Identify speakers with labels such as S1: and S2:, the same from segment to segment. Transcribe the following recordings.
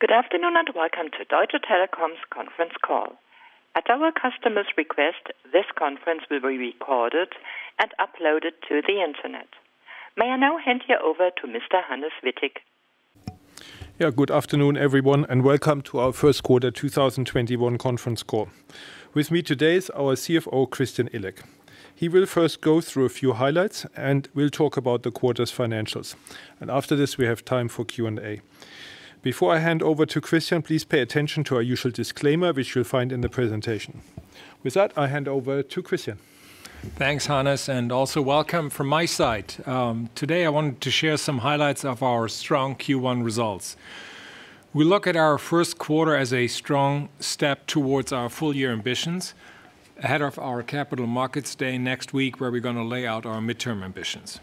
S1: Good afternoon. Welcome to Deutsche Telekom's conference call. At our customer's request, this conference will be recorded and uploaded to the Internet. May I now hand you over to Mr. Hannes Wittig.
S2: Yeah, good afternoon, everyone, and welcome to our first quarter 2021 conference call. With me today is our CFO, Christian Illek. He will first go through a few highlights, and we'll talk about the quarter's financials. After this, we have time for Q&A. Before I hand over to Christian, please pay attention to our usual disclaimer, which you'll find in the presentation. With that, I hand over to Christian.
S3: Thanks, Hannes, and also welcome from my side. Today, I wanted to share some highlights of our strong Q1 results. We look at our first quarter as a strong step towards our full-year ambitions, ahead of our Capital Markets Day next week, where we're going to lay out our midterm ambitions.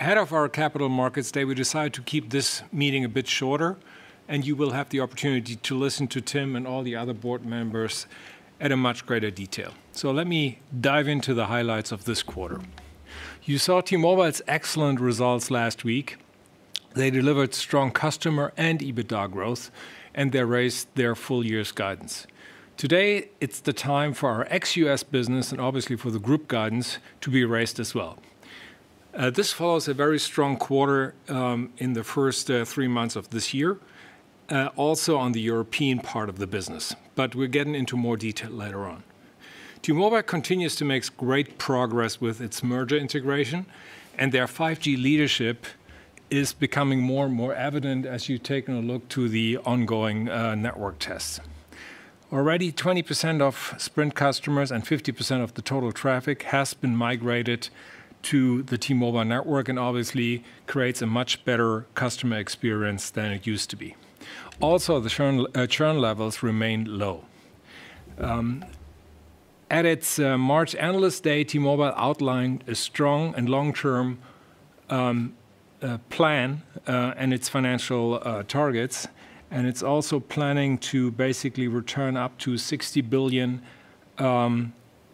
S3: Ahead of our Capital Markets Day, we decided to keep this meeting a bit shorter, and you will have the opportunity to listen to Tim and all the other board members at a much greater detail. Let me dive into the highlights of this quarter. You saw T-Mobile's excellent results last week. They delivered strong customer and EBITDA growth, and they raised their full year's guidance. Today, it's the time for our ex-U.S. Business, and obviously for the group guidance, to be raised as well. This follows a very strong quarter in the first three months of this year, also on the European part of the business. We're getting into more detail later on. T-Mobile continues to make great progress with its merger integration, their 5G leadership is becoming more and more evident as you've taken a look to the ongoing network tests. Already, 20% of Sprint customers and 50% of the total traffic has been migrated to the T-Mobile network, obviously, creates a much better customer experience than it used to be. Also, the churn levels remain low. At its March analyst day, T-Mobile outlined a strong and long-term plan and its financial targets, it's also planning to basically return up to $60 billion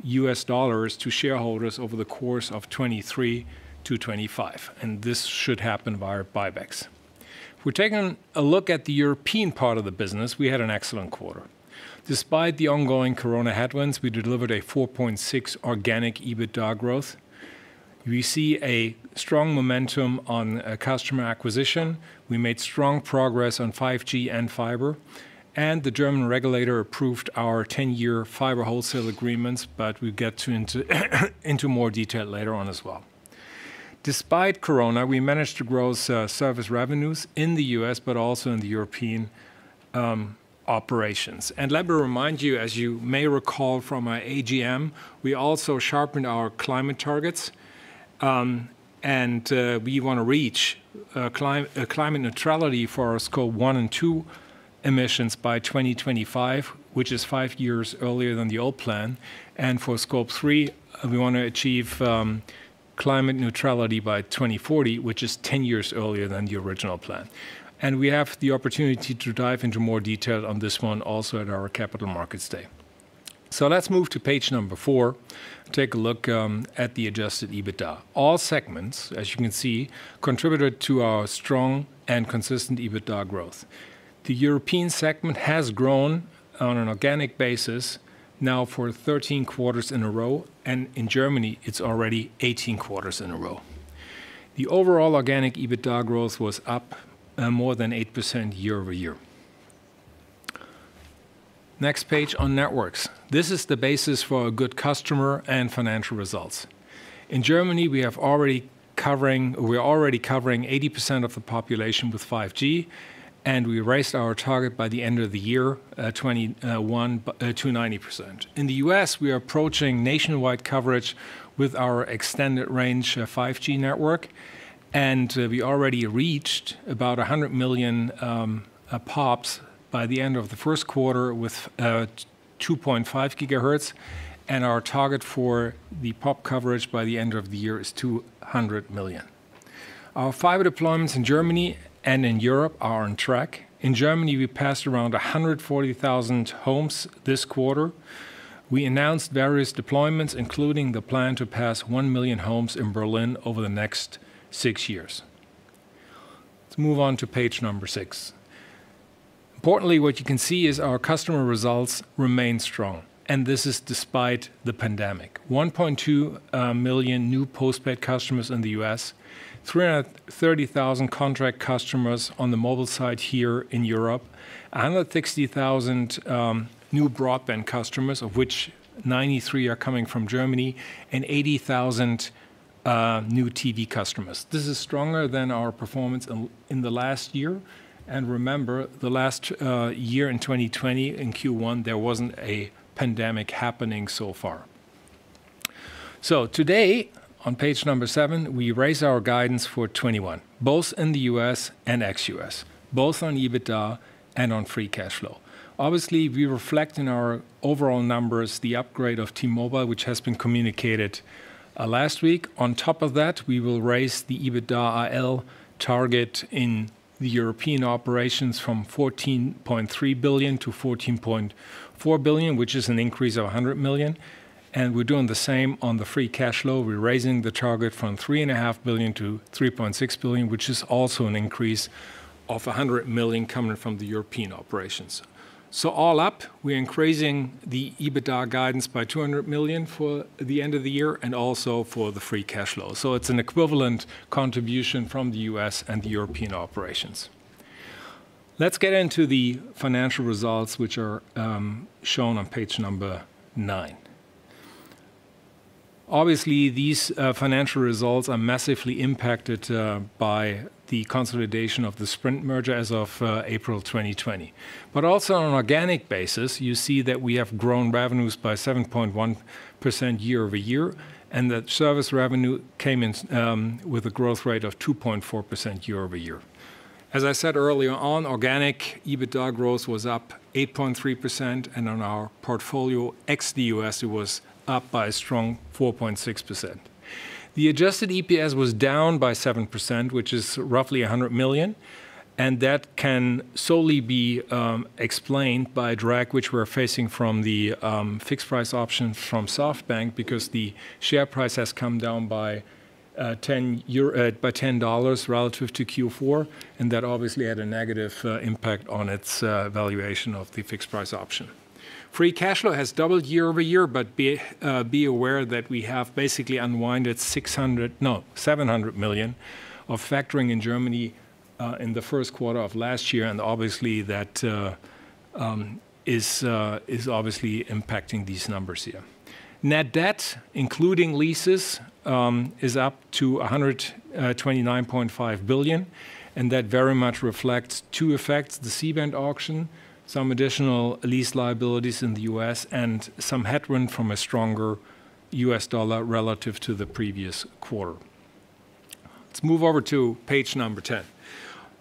S3: to shareholders over the course of 2023 to 2025. This should happen via buybacks. If we're taking a look at the European part of the business, we had an excellent quarter. Despite the ongoing coronavirus headwinds, we delivered a 4.6 organic EBITDA growth. We see a strong momentum on customer acquisition. We made strong progress on 5G and fiber, and the German regulator approved our 10-year fiber wholesale agreements, but we'll get into more detail later on as well. Despite coronavirus, we managed to grow service revenues in the U.S., but also in the European operations. Let me remind you, as you may recall from our AGM, we also sharpened our climate targets, and we want to reach climate neutrality for our Scope 1 and 2 emissions by 2025, which is five years earlier than the old plan. For Scope 3, we want to achieve climate neutrality by 2040, which is 10 years earlier than the original plan. We have the opportunity to dive into more detail on this one also at our Capital Markets Day. Let's move to page four. Take a look at the adjusted EBITDA. All segments, as you can see, contributed to our strong and consistent EBITDA growth. The European segment has grown on an organic basis now for 13 quarters in a row, and in Germany, it's already 18 quarters in a row. The overall organic EBITDA growth was up more than 8% year-over-year. Next page on networks. This is the basis for our good customer and financial results. In Germany, we are already covering 80% of the population with 5G, and we raised our target by the end of the year 2021 to 90%. In the U.S., we are approaching nationwide coverage with our extended range 5G network, and we already reached about 100 million POPs by the end of the first quarter with 2.5 gigahertz. Our target for the POP coverage by the end of the year is 200 million. Our fiber deployments in Germany and in Europe are on track. In Germany, we passed around 140,000 homes this quarter. We announced various deployments, including the plan to pass one million homes in Berlin over the next six years. Let's move on to page number six. Importantly, what you can see is our customer results remain strong, and this is despite the pandemic. 1.2 million new postpaid customers in the U.S., 330,000 contract customers on the mobile side here in Europe, 160,000 new broadband customers, of which 93 are coming from Germany, and 80,000 new TV customers. This is stronger than our performance in the last year. Remember, the last year in 2020, in Q1, there wasn't a pandemic happening so far. Today, on page seven, we raise our guidance for 2021, both in the U.S. and ex-U.S., both on EBITDA and on free cash flow. Obviously, we reflect in our overall numbers the upgrade of T-Mobile, which has been communicated last week. On top of that, we will raise the EBITDA AL target in the European operations from 14.3 billion to 14.4 billion, which is an increase of 100 million. We're doing the same on the free cash flow. We're raising the target from 3.5 Billion to 3.6 billion, which is also an increase of 100 million coming from the European operations. All up, we're increasing the EBITDA guidance by 200 million for the end of the year and also for the free cash flow. It's an equivalent contribution from the U.S. and the European operations. Let's get into the financial results which are shown on page number nine. Obviously, these financial results are massively impacted by the consolidation of the Sprint merger as of April 2020. Also on an organic basis, you see that we have grown revenues by 7.1% year-over-year, and that service revenue came in with a growth rate of 2.4% year-over-year. As I said earlier on, organic EBITDA growth was up 8.3%, and on our portfolio ex the U.S., it was up by a strong 4.6%. The adjusted EPS was down by 7%, which is roughly 100 million. That can solely be explained by a drag which we're facing from the fixed price option from SoftBank because the share price has come down by $10 relative to Q4, and that obviously had a negative impact on its valuation of the fixed price option. Free cash flow has doubled year-over-year, but be aware that we have basically unwinded 700 million of factoring in Germany in the first quarter of last year. Obviously, that is impacting these numbers here. Net debt, including leases, is up to 129.5 billion. That very much reflects two effects, the C-band auction, some additional lease liabilities in the U.S., and some headwind from a stronger U.S. dollar relative to the previous quarter. Let's move over to page number 10.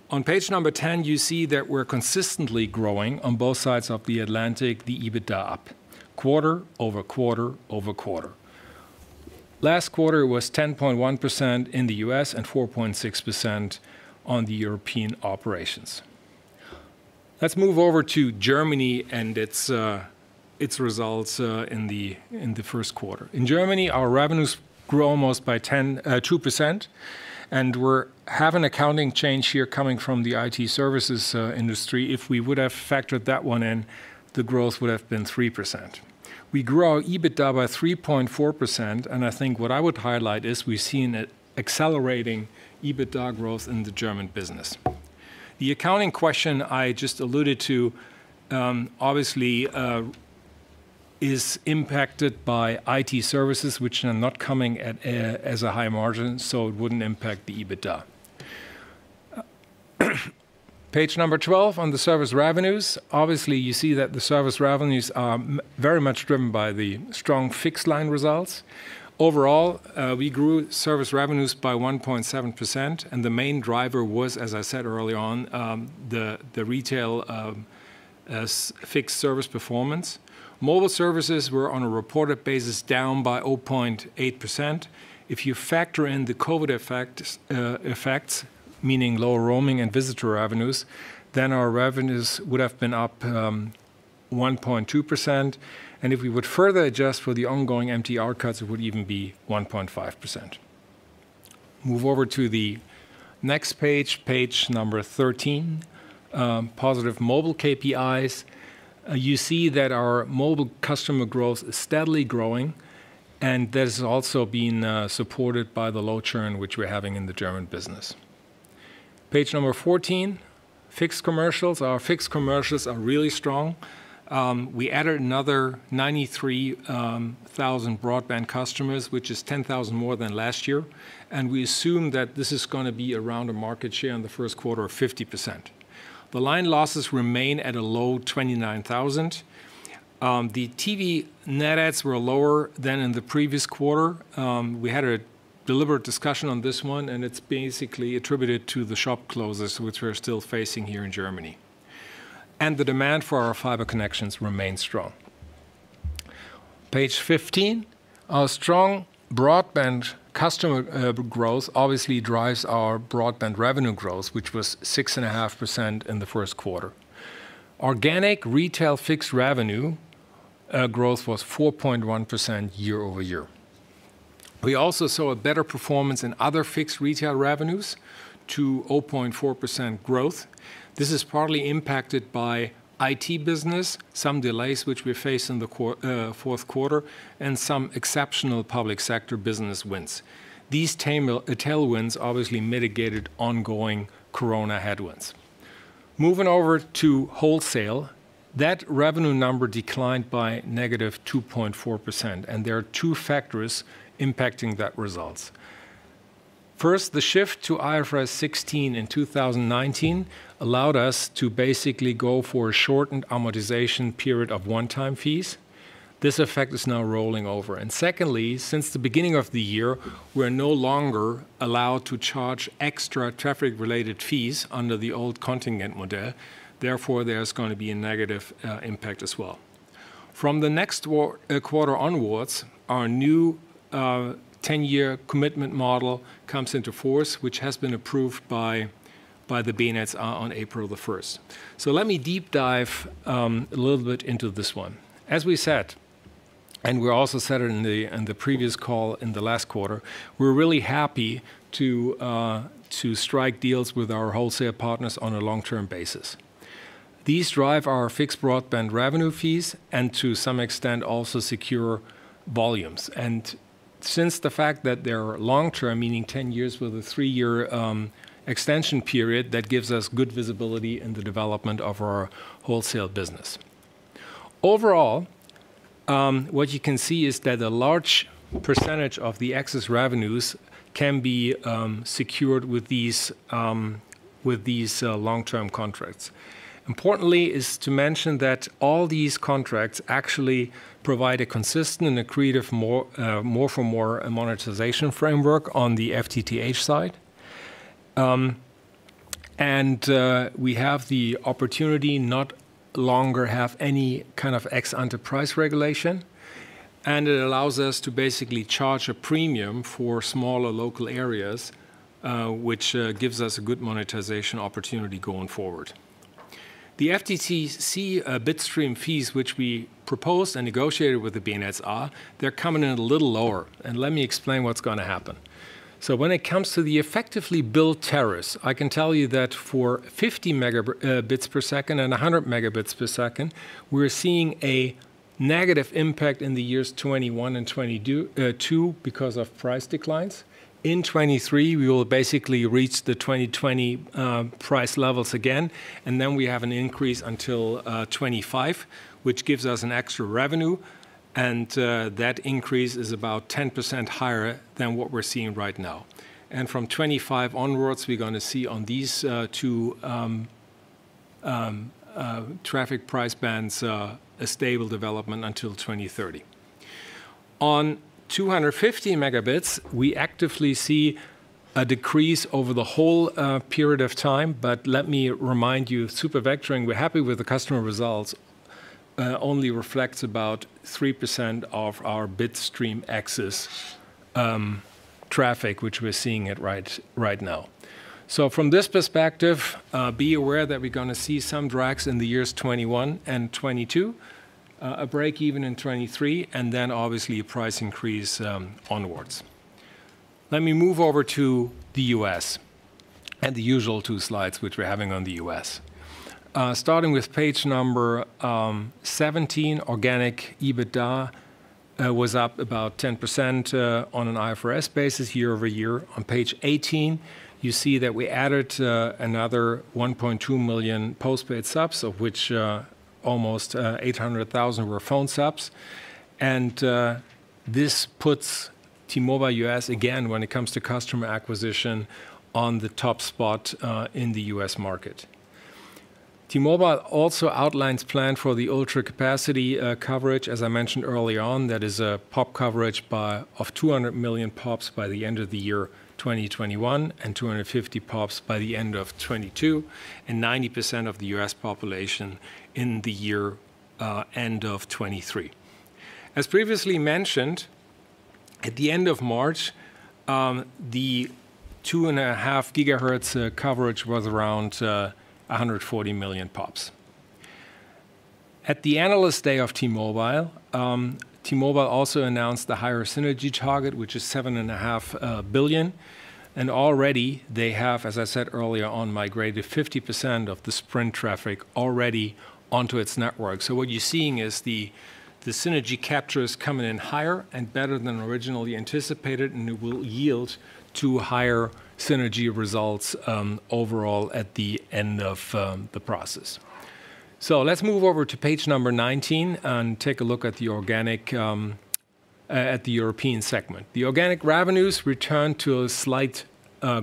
S3: On page number 10, you see that we're consistently growing, on both sides of the Atlantic, the EBITDA up quarter-over-quarter-over-quarter. Last quarter was 10.1% in the U.S. and 4.6% on the European operations. Let's move over to Germany and its results in the first quarter. In Germany, our revenues grew almost by 2%, and we have an accounting change here coming from the IT services industry. If we would have factored that one in, the growth would have been 3%. We grew our EBITDA by 3.4%, and I think what I would highlight is we've seen an accelerating EBITDA growth in the German business. The accounting question I just alluded to, obviously, is impacted by IT services which are not coming as a high margin, so it wouldn't impact the EBITDA. Page number 12 on the service revenues. Obviously, you see that the service revenues are very much driven by the strong fixed line results. Overall, we grew service revenues by 1.7%, and the main driver was, as I said early on, the retail fixed service performance. Mobile services were on a reported basis down by 0.8%. If you factor in the COVID effects, meaning lower roaming and visitor revenues, then our revenues would have been up 1.2%. If we would further adjust for the ongoing MTR cuts, it would even be 1.5%. Move over to the next page number 13. Positive mobile KPIs. You see that our mobile customer growth is steadily growing, and that is also being supported by the low churn which we're having in the German business. Page number 14, fixed commercials. Our fixed commercials are really strong. We added another 93,000 broadband customers, which is 10,000 more than last year, and we assume that this is going to be around a market share in the first quarter of 50%. The line losses remain at a low 29,000. The TV net adds were lower than in the previous quarter. We had a deliberate discussion on this one, and it's basically attributed to the shop closures which we're still facing here in Germany. The demand for our fiber connections remains strong. Page 15. Our strong broadband customer growth obviously drives our broadband revenue growth, which was 6.5% in the first quarter. Organic retail fixed revenue growth was 4.1% year-over-year. We also saw a better performance in other fixed retail revenues to 0.4% growth. This is partly impacted by Telekom IT, some delays which we faced in the fourth quarter, and some exceptional public sector business wins. These tailwinds obviously mitigated ongoing Corona headwinds. Moving over to wholesale. That revenue number declined by -2.4%. There are two factors impacting that results. First, the shift to IFRS 16 in 2019 allowed us to basically go for a shortened amortization period of one-time fees. This effect is now rolling over. Secondly, since the beginning of the year, we're no longer allowed to charge extra traffic-related fees under the old contingent model. Therefore, there's going to be a negative impact as well. From the next quarter onwards, our new 10-year commitment model comes into force, which has been approved by the Bundesnetzagentur on April 1st. Let me deep dive a little bit into this one. As we said, and we also said it in the previous call in the last quarter, we're really happy to strike deals with our wholesale partners on a long-term basis. These drive our fixed broadband revenue fees and to some extent also secure volumes. Since the fact that they're long-term, meaning 10 years with a three-year extension period, that gives us good visibility in the development of our wholesale business. Overall, what you can see is that a large percentage of the excess revenues can be secured with these long-term contracts. Importantly is to mention that all these contracts actually provide a consistent and accretive more for more monetization framework on the FTTH side. We have the opportunity not longer have any kind of ex-ante price regulation, and it allows us to basically charge a premium for smaller local areas, which gives us a good monetization opportunity going forward. The FTTC bitstream fees, which we proposed and negotiated with the Bundesnetzagentur, they're coming in a little lower. Let me explain what's going to happen. When it comes to the effectively billed tariffs, I can tell you that for 50 Mbps and 100 Mbps, we're seeing a negative impact in the years 2021 and 2022 because of price declines. In 2023, we will basically reach the 2020 price levels again, then we have an increase until 2025, which gives us an extra revenue. That increase is about 10% higher than what we're seeing right now. From 2025 onwards, we're going to see on these two traffic price bands a stable development until 2030. On 250 Mb, we actively see a decrease over the whole period of time. Let me remind you, super vectoring, we're happy with the customer results, only reflects about 3% of our bitstream excess traffic, which we're seeing it right now. From this perspective, be aware that we're going to see some drags in the years 2021 and 2022, a break even in 2023, and then obviously a price increase onwards. Let me move over to the U.S. and the usual two slides which we're having on the U.S. Starting with page number 17, organic EBITDA was up about 10% on an IFRS basis year-over-year. On page 18, you see that we added another 1.2 million postpaid subs, of which almost 800,000 were phone subs. This puts T-Mobile U.S., again, when it comes to customer acquisition, on the top spot in the U.S. market. T-Mobile also outlines plan for the Ultra Capacity coverage, as I mentioned early on. That is a POPs coverage of 200 million POPs by the end of 2021, and 250 POPs by the end of 2022, and 90% of the U.S. population in the year end of 2023. As previously mentioned, at the end of March, the 2.5 gigahertz coverage was around 140 million POPs. At the Analyst Day of T-Mobile, T-Mobile also announced the higher synergy target, which is $7.5 billion. Already they have, as I said earlier on, migrated 50% of the Sprint traffic already onto its network. What you're seeing is the synergy capture is coming in higher and better than originally anticipated, and it will yield to higher synergy results overall at the end of the process. Let's move over to page 19 and take a look at the European segment. The organic revenues returned to a slight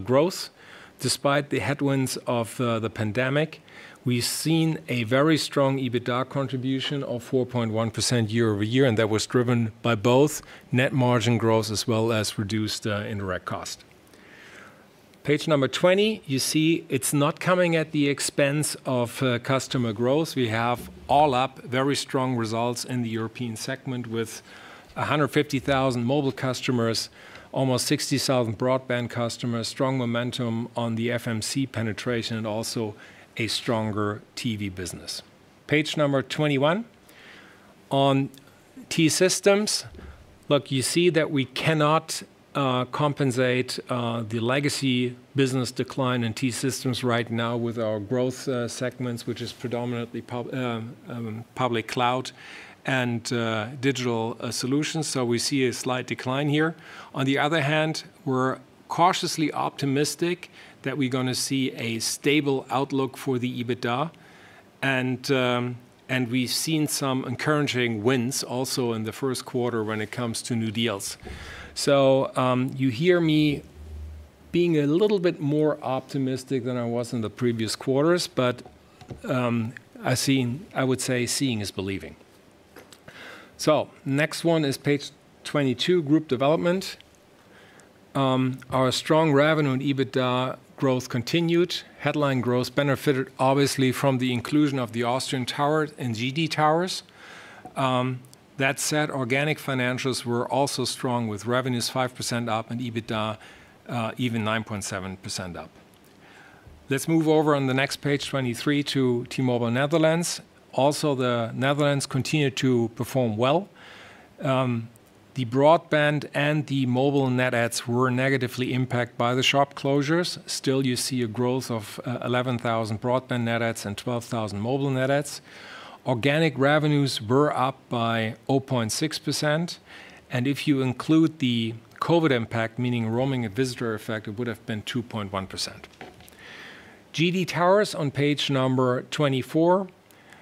S3: growth despite the headwinds of the pandemic. We've seen a very strong EBITDA contribution of 4.1% year-over-year. That was driven by both net margin growth as well as reduced indirect cost. Page number 20, you see it's not coming at the expense of customer growth. We have all up very strong results in the European segment with 150,000 mobile customers, almost 60,000 broadband customers, strong momentum on the FMC penetration, also a stronger TV business. Page number 21. On T-Systems, look, you see that we cannot compensate the legacy business decline in T-Systems right now with our growth segments, which is predominantly public cloud and digital solutions. We see a slight decline here. On the other hand, we're cautiously optimistic that we're going to see a stable outlook for the EBITDA, and we've seen some encouraging wins also in the first quarter when it comes to new deals. You hear me being a little bit more optimistic than I was in the previous quarters. I would say seeing is believing. Next one is page 22, Group Development. Our strong revenue and EBITDA growth continued. Headline growth benefited obviously from the inclusion of the Austrian tower and GD Towers. That said, organic financials were also strong with revenues 5% up and EBITDA even 9.7% up. Let's move over on the next page 23 to T-Mobile Netherlands. Also, the Netherlands continued to perform well. The broadband and the mobile net adds were negatively impacted by the shop closures. Still, you see a growth of 11,000 broadband net adds and 12,000 mobile net adds. Organic revenues were up by 0.6%. If you include the COVID impact, meaning roaming and visitor effect, it would have been 2.1%. GD Towers on page number 24,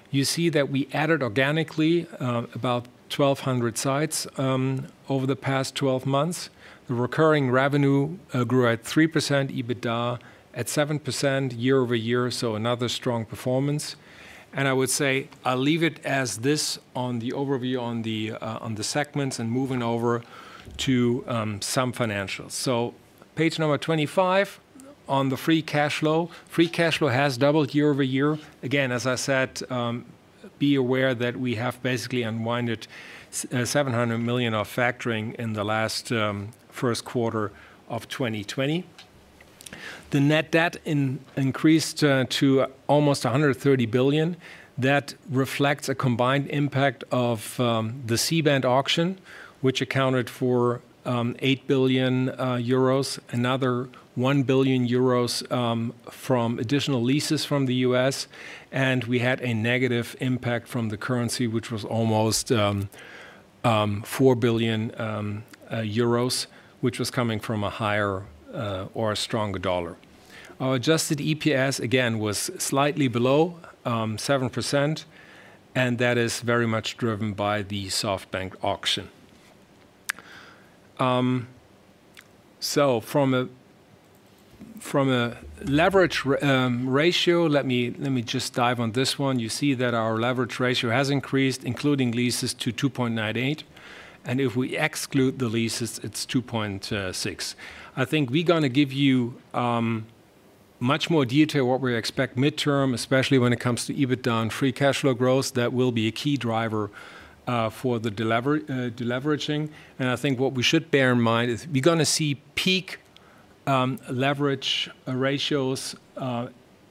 S3: you see that we added organically about 1,200 sites over the past 12 months. The recurring revenue grew at 3%, EBITDA at 7% year-over-year, another strong performance. I would say I'll leave it as this on the overview on the segments and moving over to some financials. Page number 25 on the free cash flow. Free cash flow has doubled year-over-year. Again, as I said, be aware that we have basically unwinded 700 million of factoring in the last first quarter of 2020. The net debt increased to almost 130 billion. That reflects a combined impact of the C-band auction, which accounted for 8 billion euros, another 1 billion euros from additional leases from the U.S. We had a negative impact from the currency, which was almost 4 billion euros, which was coming from a higher or a stronger U.S. dollar. Our adjusted EPS, again, was slightly below 7%, and that is very much driven by the SoftBank auction. From a leverage ratio, let me just dive on this one. You see that our leverage ratio has increased, including leases to 2.98. If we exclude the leases, it's 2.6. I think we're going to give you much more detail what we expect midterm, especially when it comes to EBITDA and free cash flow growth. That will be a key driver for the deleveraging. I think what we should bear in mind is we're going to see peak leverage ratios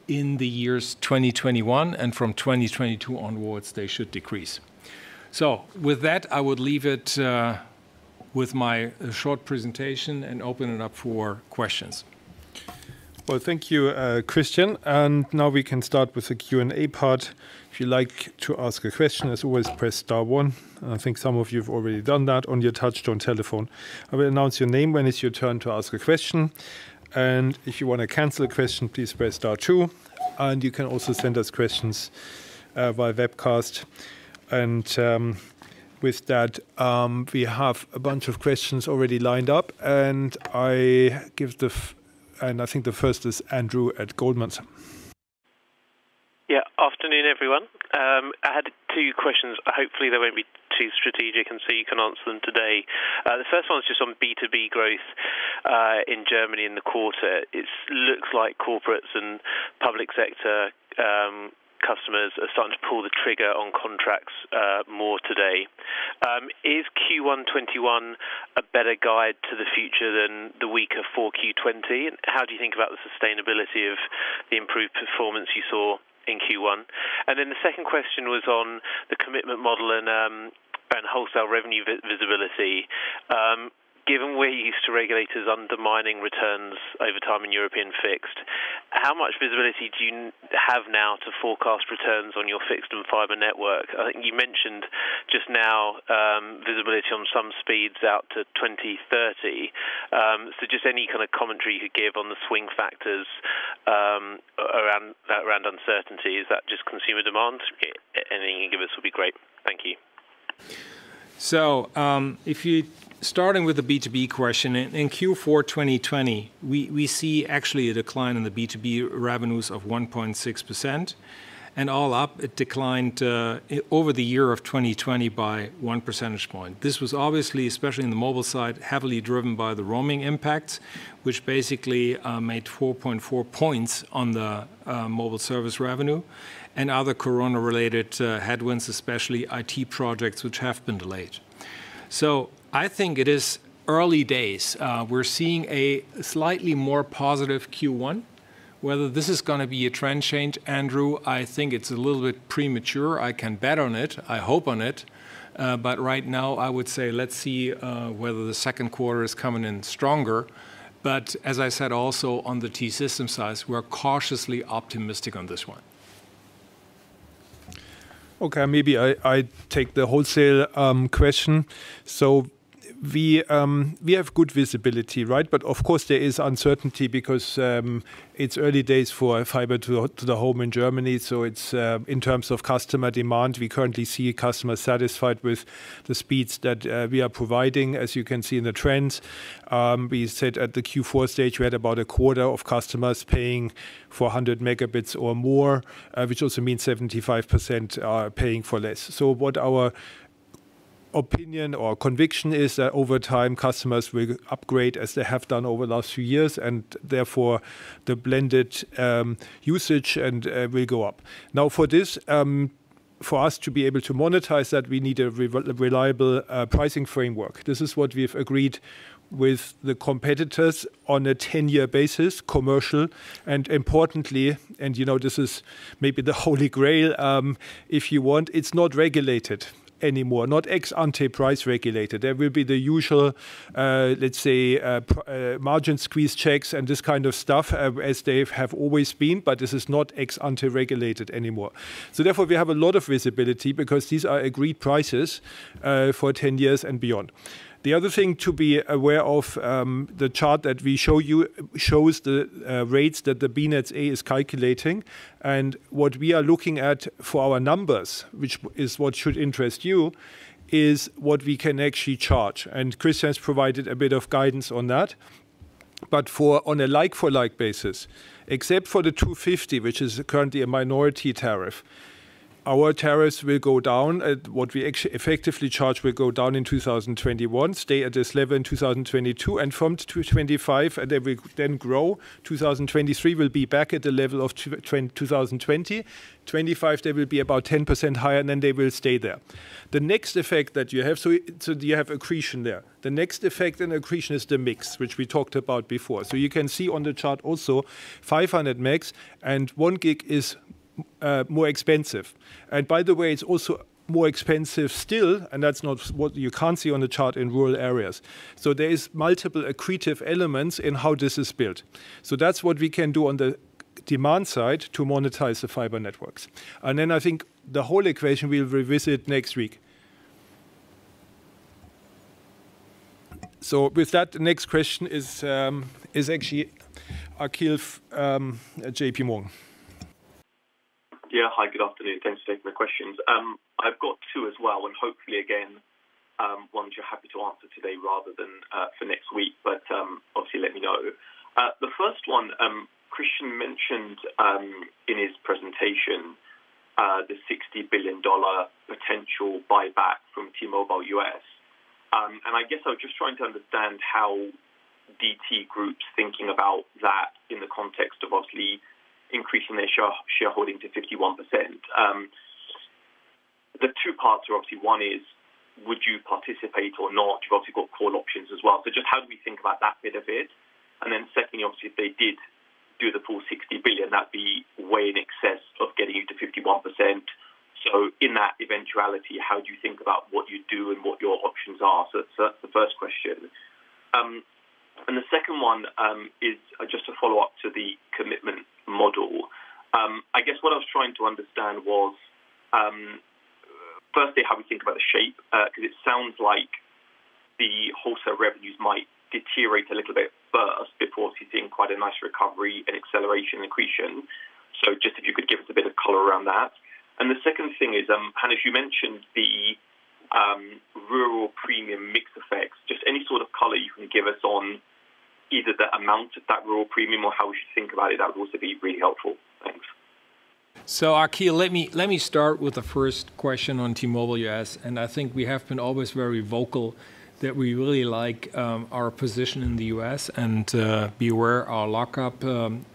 S3: in the years 2021, and from 2022 onwards, they should decrease. With that, I would leave it with my short presentation and open it up for questions.
S2: Well, thank you, Christian. Now we can start with the Q&A part. If you'd like to ask a question, as always, press star one. I think some of you have already done that on your touch-tone telephone. I will announce your name when it's your turn to ask a question. If you want to cancel a question, please press star two. You can also send us questions via webcast. With that, we have a bunch of questions already lined up, and I think the first is Andrew at Goldman Sachs.
S4: Yeah. Afternoon, everyone. I had two questions. Hopefully, they won't be too strategic, and so you can answer them today. The first one is just on B2B growth in Germany in the quarter. It looks like corporates and public sector customers are starting to pull the trigger on contracts more today. Is Q1 2021 a better guide to the future than the weaker 4Q 2020? How do you think about the sustainability of the improved performance you saw in Q1? The second question was on the commitment model and wholesale revenue visibility. Given we're used to regulators undermining returns over time in European fixed, how much visibility do you have now to forecast returns on your fixed and fiber network? I think you mentioned just now visibility on some speeds out to 2030. Just any kind of commentary you could give on the swing factors around uncertainty. Is that just consumer demand? Anything you can give us would be great. Thank you.
S3: Starting with the B2B question, in Q4 2020, we see actually a decline in the B2B revenues of 1.6%. All up, it declined over the year of 2020 by one percentage point. This was obviously, especially in the mobile side, heavily driven by the roaming impact, which basically made 4.4 points on the mobile service revenue and other corona-related headwinds, especially IT projects which have been delayed. I think it is early days. We're seeing a slightly more positive Q1. Whether this is going to be a trend change, Andrew, I think it's a little bit premature. I can bet on it. I hope on it. Right now, I would say let's see whether the second quarter is coming in stronger. As I said, also on the T-Systems side, we're cautiously optimistic on this one.
S2: Okay, maybe I take the wholesale question. We have good visibility, right? Of course, there is uncertainty because it is early days for fiber to the home in Germany. In terms of customer demand, we currently see customers satisfied with the speeds that we are providing, as you can see in the trends. We said at the Q4 stage, we had about a quarter of customers paying for 100 Mb or more, which also means 75% are paying for less. What our opinion or conviction is that over time, customers will upgrade as they have done over the last few years, and therefore the blended usage will go up. Now for us to be able to monetize that, we need a reliable pricing framework. This is what we've agreed with the competitors on a 10-year basis, commercial, importantly, and this is maybe the Holy Grail if you want, it's not regulated anymore. Not ex-ante price regulated. There will be the usual, let's say, margin squeeze checks and this kind of stuff as they have always been, this is not ex-ante regulated anymore. Therefore, we have a lot of visibility because these are agreed prices for 10 years and beyond. The other thing to be aware of, the chart that we show you, shows the rates that the BNetzA is calculating. What we are looking at for our numbers, which is what should interest you, is what we can actually charge. Christian has provided a bit of guidance on that. On a like-for-like basis, except for the 250, which is currently a minority tariff, our tariffs will go down. What we effectively charge will go down in 2021, stay at this level in 2022, and from 2025, they will then grow. 2023 will be back at the level of 2020. 2025, they will be about 10% higher, and then they will stay there. You have accretion there. The next effect in accretion is the mix, which we talked about before. You can see on the chart also, 500 megs and 1 gig is more expensive. By the way, it's also more expensive still, and that's what you can't see on the chart in rural areas. There is multiple accretive elements in how this is built. That's what we can do on the demand side to monetize the fiber networks. I think the whole equation we'll revisit next week. With that, the next question is actually Akhil at JP Morgan.
S5: Yeah. Hi, good afternoon. Thanks for taking my questions. I've got two as well, hopefully again, ones you're happy to answer today rather than for next week, obviously let me know. The first one, Christian mentioned in his presentation the $60 billion potential buyback from T-Mobile U.S. I guess I was just trying to understand how DT Group's thinking about that in the context of obviously increasing their shareholding to 51%. The two parts are obviously, one is, would you participate or not? You've obviously got call options as well. Just how do we think about that bit? Secondly, obviously, if they did do the full $60 billion, that'd be way in excess of getting you to 51%. In that eventuality, how do you think about what you do and what your options are? That's the first question. The second one is just a follow-up to the commitment model. I guess what I was trying to understand was, firstly, how we think about the shape, because it sounds like the wholesale revenues might deteriorate a little bit first before seeing quite a nice recovery and acceleration accretion. Just if you could give us a bit of color around that. The second thing is, Hannes, you mentioned the rural premium mix effects. Just any sort of color you can give us on either the amount of that rural premium or how we should think about it, that would also be really helpful. Thanks.
S3: Akhil, let me start with the first question on T-Mobile U.S., I think we have been always very vocal that we really like our position in the U.S., be aware our lockup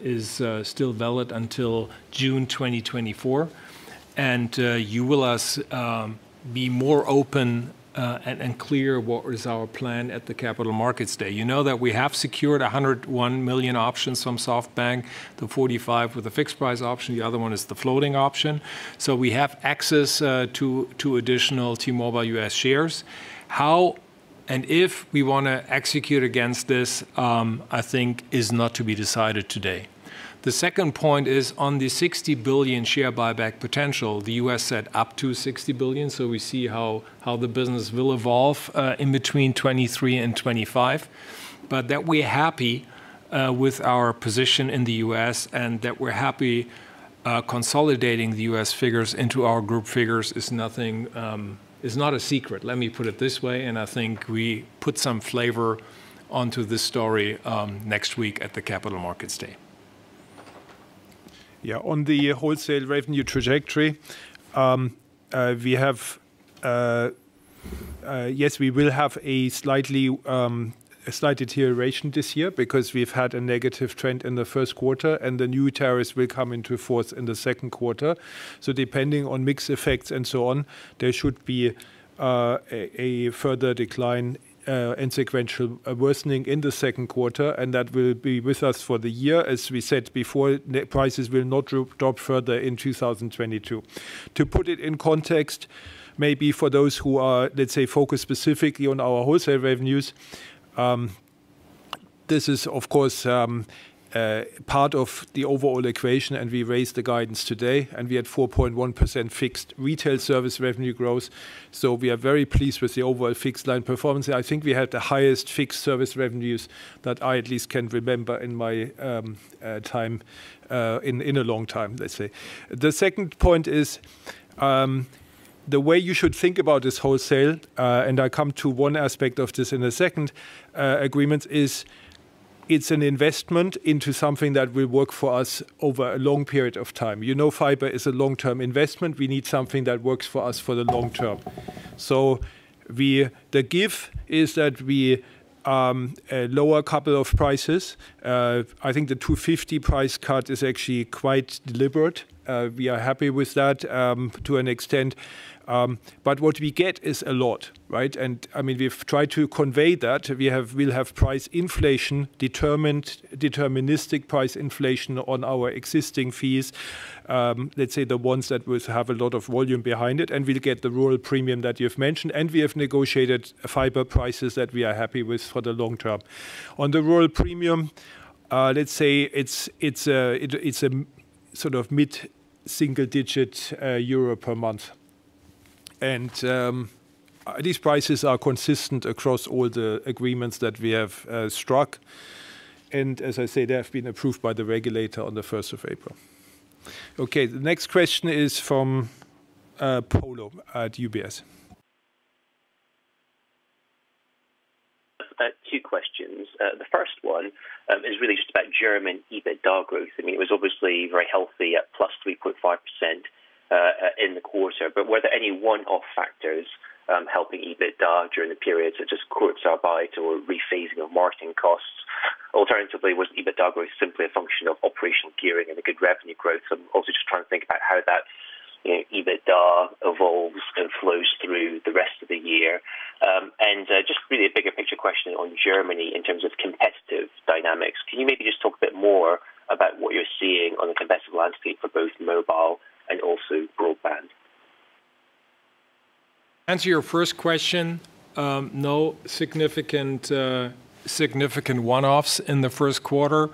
S3: is still valid until June 2024. You will us be more open and clear what is our plan at the Capital Markets Day. You know that we have secured 101 million options from SoftBank to 45 with a fixed price option. The other one is the floating option. We have access to additional T-Mobile U.S. shares. How and if we want to execute against this, I think is not to be decided today. The second point is on the $60 billion share buyback potential. The U.S. said up to $60 billion, we see how the business will evolve in between 2023 and 2025. That we're happy with our position in the U.S. and that we're happy consolidating the U.S. figures into our group figures is not a secret. Let me put it this way, and I think we put some flavor onto this story next week at the Capital Markets Day.
S2: Yeah. On the wholesale revenue trajectory, yes, we will have a slight deterioration this year because we've had a negative trend in the first quarter, and the new tariffs will come into force in the second quarter. Depending on mix effects and so on, there should be a further decline and sequential worsening in the second quarter, and that will be with us for the year. As we said before, net prices will not drop further in 2022. To put it in context, maybe for those who are, let's say, focused specifically on our wholesale revenues, this is of course part of the overall equation, and we raised the guidance today, and we had 4.1% fixed retail service revenue growth. We are very pleased with the overall fixed line performance. I think we had the highest fixed service revenues that I at least can remember in a long time, let's say. The second point is, the way you should think about this wholesale, and I come to one aspect of this in a second agreement. It's an investment into something that will work for us over a long period of time. You know fiber is a long-term investment. We need something that works for us for the long term. The give is that we lower a couple of prices. I think the 250 price cut is actually quite deliberate. We are happy with that to an extent. What we get is a lot, right? We've tried to convey that. We'll have price inflation, deterministic price inflation on our existing fees. Let's say the ones that will have a lot of volume behind it, we'll get the rural premium that you've mentioned, we have negotiated fiber prices that we are happy with for the long term. On the rural premium, let's say it's a sort of mid-single digit EUR per month. These prices are consistent across all the agreements that we have struck. As I say, they have been approved by the regulator on the first of April. Okay, the next question is from Polo at UBS.
S6: Two questions. The first one is really just about German EBITDA growth. It was obviously very healthy at +3.5% in the quarter. Were there any one-off factors helping EBITDA during the period, such as cost standby to a rephasing of marketing costs? Alternatively, was EBITDA growth simply a function of operational gearing and a good revenue growth? I'm also just trying to think about how that EBITDA evolves and flows through the rest of the year. Just really a bigger picture question on Germany in terms of competitive dynamics. Can you maybe just talk a bit more about what you're seeing on the competitive landscape for both mobile and also broadband?
S3: Answer your first question, no significant one-offs in the first quarter.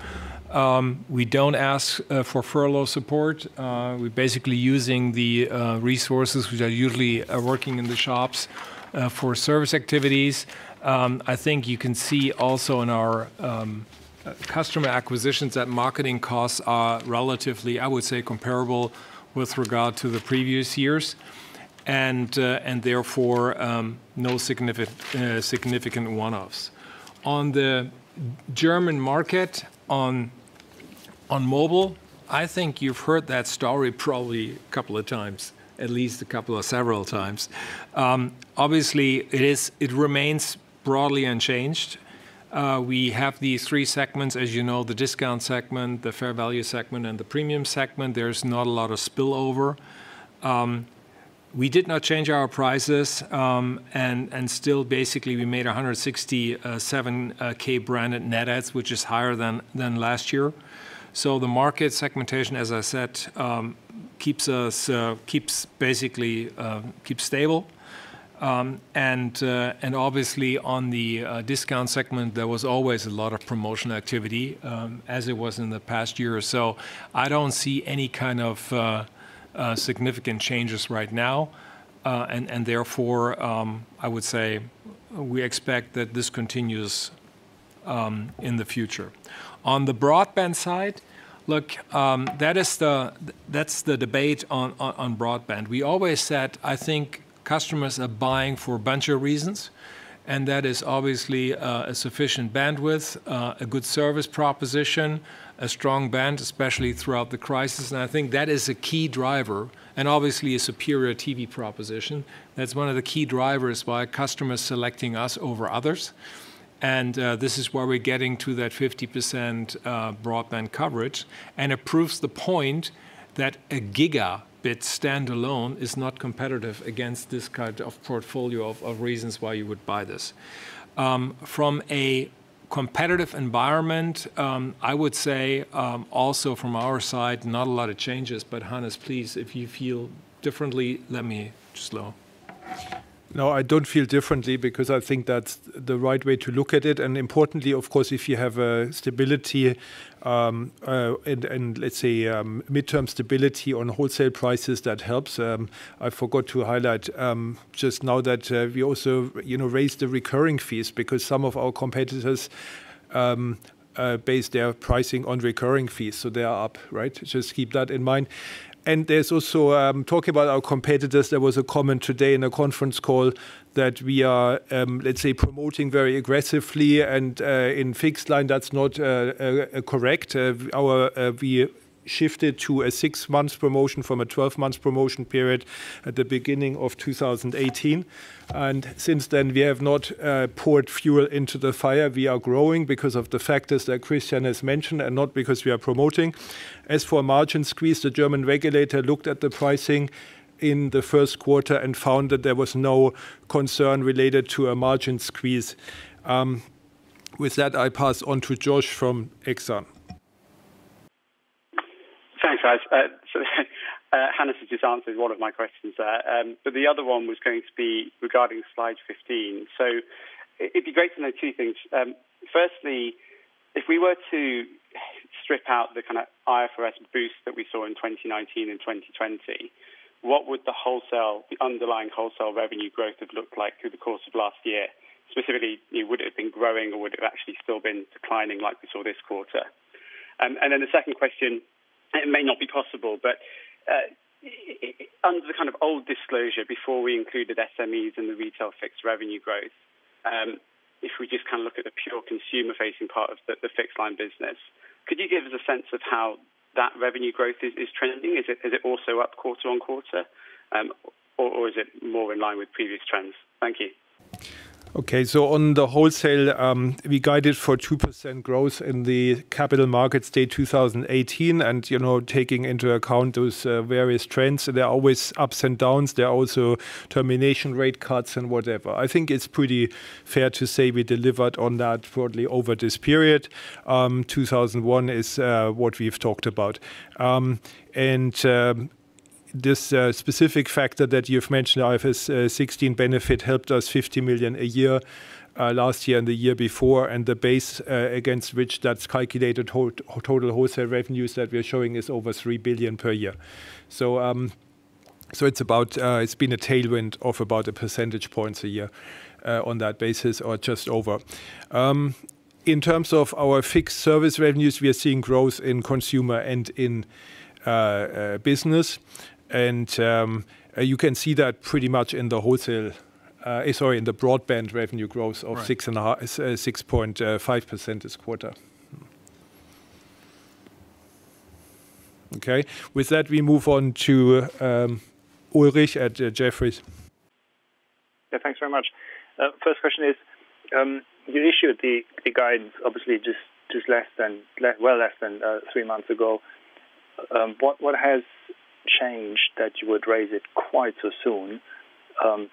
S3: We don't ask for furlough support. We're basically using the resources which are usually working in the shops for service activities. I think you can see also in our customer acquisitions that marketing costs are relatively, I would say, comparable with regard to the previous years. Therefore, no significant one-offs. On the German market, on mobile, I think you've heard that story probably a couple of times, at least a couple of several times. Obviously, it remains broadly unchanged. We have these three segments, as you know, the discount segment, the fair value segment, and the premium segment. There's not a lot of spillover. We did not change our prices and still basically we made 167,000 branded net adds, which is higher than last year. The market segmentation, as I said, basically keeps stable. Obviously on the discount segment, there was always a lot of promotion activity, as it was in the past year or so. I don't see any kind of significant changes right now. Therefore, I would say we expect that this continues in the future. On the broadband side, look, that's the debate on broadband. We always said, I think customers are buying for a bunch of reasons, and that is obviously a sufficient bandwidth, a good service proposition, a strong brand, especially throughout the crisis. I think that is a key driver and obviously a superior TV proposition. That's one of the key drivers why customers selecting us over others. This is why we're getting to that 50% broadband coverage. It proves the point that a gigabit standalone is not competitive against this kind of portfolio of reasons why you would buy this. From a competitive environment, I would say, also from our side, not a lot of changes, but Hannes, please, if you feel differently, let me just slow.
S2: No, I don't feel differently because I think that's the right way to look at it. Importantly, of course, if you have stability and let's say midterm stability on wholesale prices, that helps. I forgot to highlight just now that we also raised the recurring fees because some of our competitors base their pricing on recurring fees. They are up, right? Just keep that in mind. There's also talk about our competitors. There was a comment today in a conference call that we are, let's say, promoting very aggressively and in fixed line, that's not correct. We shifted to a six months promotion from a 12 months promotion period at the beginning of 2018. Since then, we have not poured fuel into the fire. We are growing because of the factors that Christian has mentioned and not because we are promoting. As for margin squeeze, the German regulator looked at the pricing in the first quarter and found that there was no concern related to a margin squeeze. With that, I pass on to Josh from Exane.
S7: Thanks, guys. Hannes has just answered one of my questions there. The other one was going to be regarding slide 15. It'd be great to know two things. Firstly, if we were to strip out the kind of IFRS boost that we saw in 2019 and 2020, what would the underlying wholesale revenue growth have looked like through the course of last year? Specifically, would it have been growing or would it have actually still been declining like we saw this quarter? The second question, it may not be possible, but under the kind of old disclosure, before we included SMEs in the retail fixed revenue growth, if we just look at the pure consumer-facing part of the fixed-line business, could you give us a sense of how that revenue growth is trending? Is it also up quarter-on-quarter? Or is it more in line with previous trends? Thank you.
S2: On the wholesale, we guided for 2% growth in the Capital Markets Day 2018. Taking into account those various trends, there are always ups and downs. There are also termination rate cuts and whatever. I think it's pretty fair to say we delivered on that broadly over this period. 2001 is what we've talked about. This specific factor that you've mentioned, IFRS 16 benefit helped us 50 million a year, last year and the year before. The base against which that's calculated, total wholesale revenues that we are showing, is over 3 billion per year. It's been a tailwind of about a percentage points a year, on that basis, or just over. In terms of our fixed service revenues, we are seeing growth in consumer and in business. You can see that pretty much in the wholesale, sorry, in the broadband revenue growth of 6.5% this quarter. Okay. With that, we move on to Ulrich at Jefferies.
S8: Thanks very much. First question is, you issued the guidance obviously just well less than three months ago. What has changed that you would raise it quite so soon,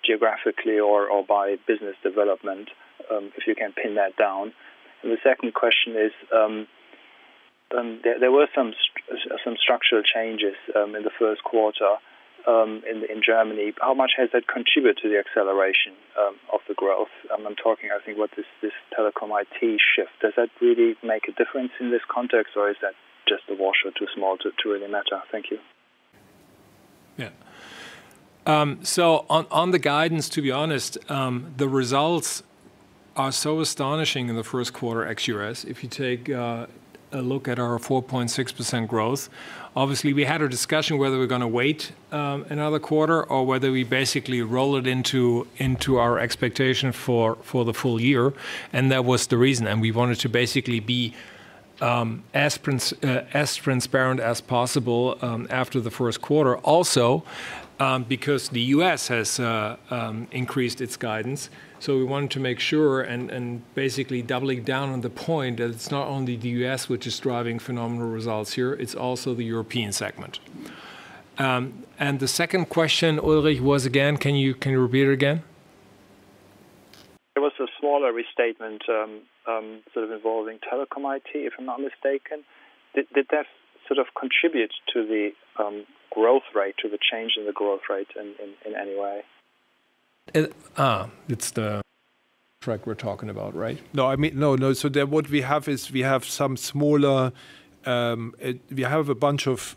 S8: geographically or by business development, if you can pin that down? The second question is, there were some structural changes in the first quarter, in Germany. How much has that contributed to the acceleration of the growth? I'm talking, I think what this Telekom IT shift. Does that really make a difference in this context, or is that just a wash or too small to really matter? Thank you.
S3: Yeah. On the guidance, to be honest, the results are so astonishing in the first quarter ex U.S., if you take a look at our 4.6% growth. Obviously, we had a discussion whether we're going to wait another quarter or whether we basically roll it into our expectation for the full year. That was the reason. Because the U.S. has increased its guidance. We wanted to make sure and basically doubling down on the point that it's not only the U.S. which is driving phenomenal results here, it's also the European segment. The second question, Ulrich, was again, can you repeat it again?
S8: There was a smaller restatement, sort of involving Telekom IT, if I'm not mistaken. Did that sort of contribute to the growth rate, to the change in the growth rate in any way?
S2: It's the track we're talking about, right? What we have is we have some smaller, we have a bunch of,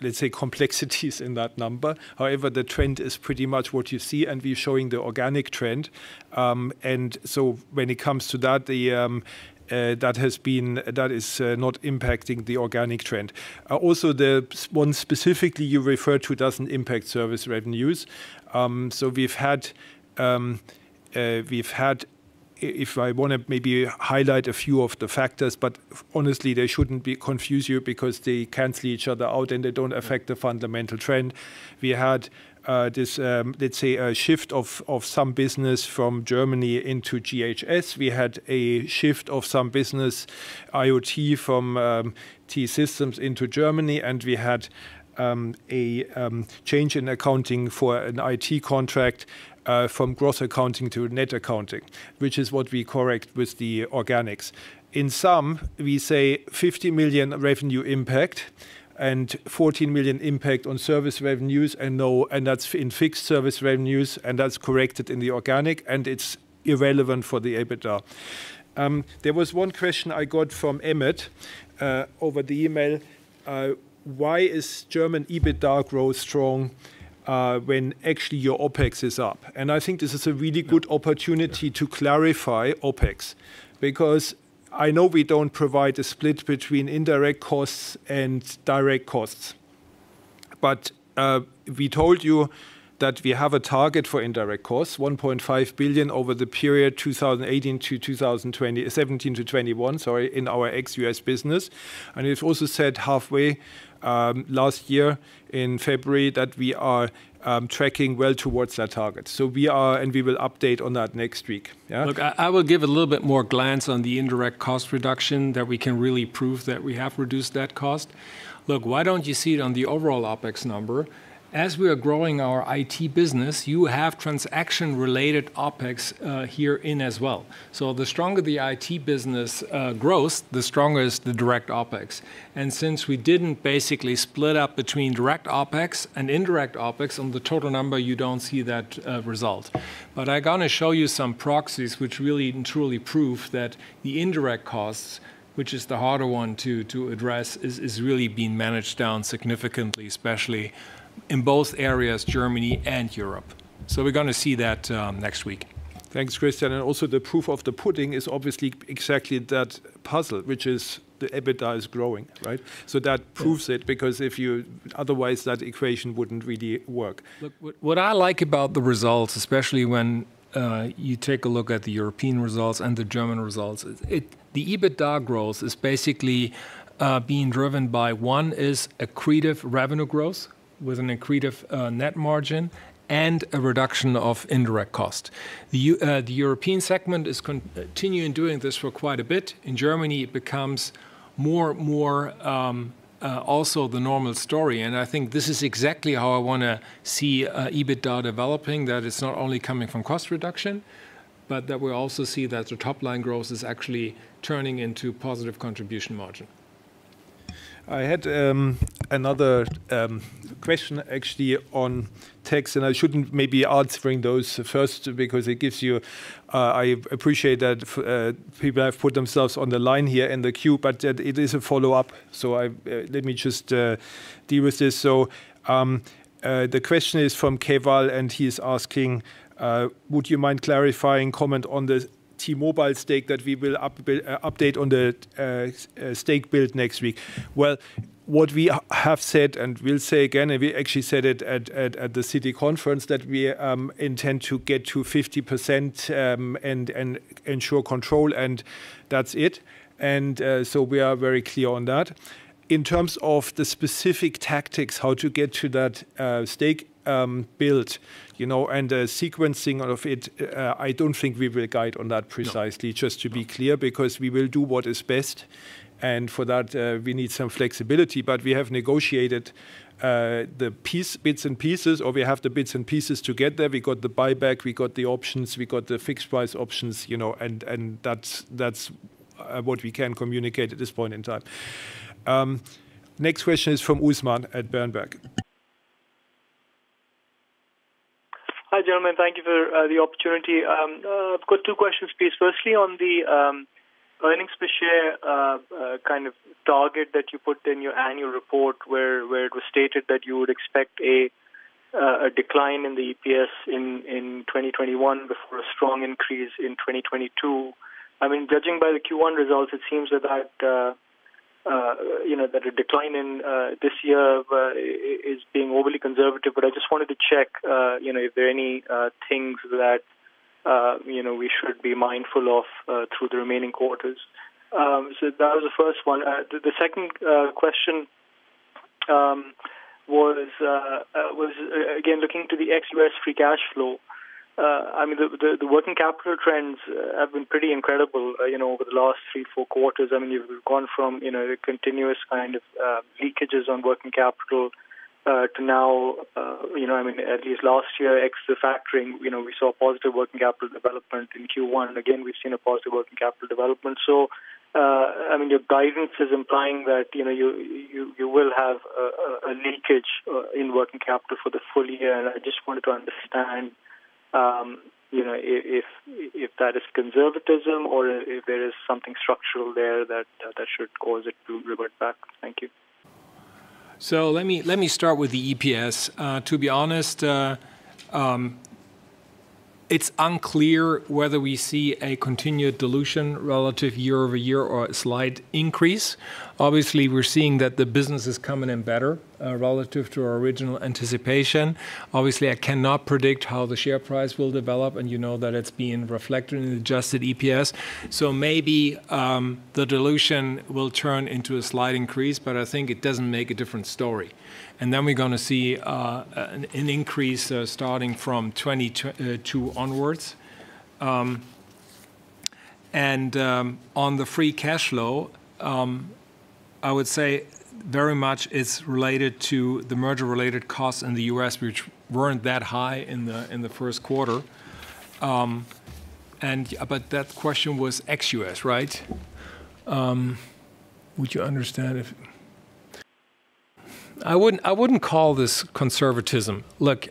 S2: let's say, complexities in that number. However, the trend is pretty much what you see, and we're showing the organic trend. When it comes to that is not impacting the organic trend. The one specifically you referred to doesn't impact service revenues. We've had, if I want to maybe highlight a few of the factors, but honestly, they shouldn't confuse you because they cancel each other out and they don't affect the fundamental trend. We had this, let's say, a shift of some business from Germany into GHS. We had a shift of some business, IoT, from T-Systems into Germany. We had a change in accounting for an IT contract, from gross accounting to net accounting, which is what we correct with the organics. In sum, we say 50 million revenue impact and 14 million impact on service revenues and that's in fixed service revenues, and that's corrected in the organic, and it's irrelevant for the EBITDA. There was one question I got from Emmett, over the email. Why is German EBITDA growth strong, when actually your OpEx is up? I think this is a really good opportunity to clarify OpEx, because I know we don't provide a split between indirect costs and direct costs. We told you that we have a target for indirect costs, 1.5 billion over the period 2018 to 2021, in our ex-U.S. business. It also said halfway, last year in February, that we are tracking well towards that target. We are, and we will update on that next week. Yeah?
S3: Look, I will give a little bit more glance on the indirect cost reduction that we can really prove that we have reduced that cost. Look, why don't you see it on the overall OpEx number? As we are growing our IT business, you have transaction-related OpEx here in as well. The stronger the IT business grows, the stronger is the direct OpEx. Since we didn't basically split up between direct OpEx and indirect OpEx on the total number, you don't see that result. I'm going to show you some proxies which really and truly prove that the indirect costs, which is the harder one to address, is really being managed down significantly, especially in both areas, Germany and Europe. We're going to see that next week.
S2: Thanks, Christian. Also the proof of the pudding is obviously exactly that puzzle, which is the EBITDA is growing, right? That proves it, because otherwise that equation wouldn't really work.
S3: What I like about the results, especially when you take a look at the European results and the German results, the EBITDA growth is basically being driven by one is accretive revenue growth with an accretive net margin and a reduction of indirect cost. The European segment is continuing doing this for quite a bit. In Germany, it becomes more also the normal story, and I think this is exactly how I want to see EBITDA developing, that it's not only coming from cost reduction, but that we also see that the top-line growth is actually turning into positive contribution margin.
S2: I had another question actually on text, and I shouldn't maybe answering those first because I appreciate that people have put themselves on the line here in the queue, but it is a follow-up, let me just deal with this. The question is from Keval, and he's asking, would you mind clarifying comment on the T-Mobile stake that we will update on the stake build next week? Well, what we have said and will say again, and we actually said it at the Citi conference, that we intend to get to 50% and ensure control, and that's it. We are very clear on that. In terms of the specific tactics, how to get to that stake build, and the sequencing of it, I don't think we will guide on that precisely.
S3: No.
S2: Just to be clear, because we will do what is best. For that, we need some flexibility. We have negotiated the bits and pieces, or we have the bits and pieces to get there. We got the buyback, we got the options, we got the fixed price options, and that's what we can communicate at this point in time. Next question is from Usman at Berenberg.
S9: Hi, gentlemen. Thank you for the opportunity. I've got two questions, please. Firstly, on the earnings per share kind of target that you put in your annual report where it was stated that you would expect a decline in the EPS in 2021 before a strong increase in 2022. Judging by the Q1 results, it seems that the decline in this year is being overly conservative, but I just wanted to check if there are any things that we should be mindful of through the remaining quarters. That was the first one. The second question was again, looking to the ex-U.S. free cash flow. The working capital trends have been pretty incredible over the last three, four quarters. You've gone from continuous kind of leakages on working capital to now, at least last year, ex the factoring, we saw positive working capital development. In Q1, again, we've seen a positive working capital development. Your guidance is implying that you will have a leakage in working capital for the full year, and I just wanted to understand if that is conservatism or if there is something structural there that should cause it to revert back. Thank you.
S3: Let me start with the EPS. To be honest, it's unclear whether we see a continued dilution relative year-over-year or a slight increase. Obviously, we're seeing that the business is coming in better relative to our original anticipation. Obviously, I cannot predict how the share price will develop, and you know that it's being reflected in adjusted EPS. Maybe the dilution will turn into a slight increase, but I think it doesn't make a different story. We're going to see an increase starting from 2022 onwards. On the free cash flow, I would say very much it's related to the merger-related costs in the U.S., which weren't that high in the first quarter. That question was ex-U.S., right? Would you understand I wouldn't call this conservatism. Look,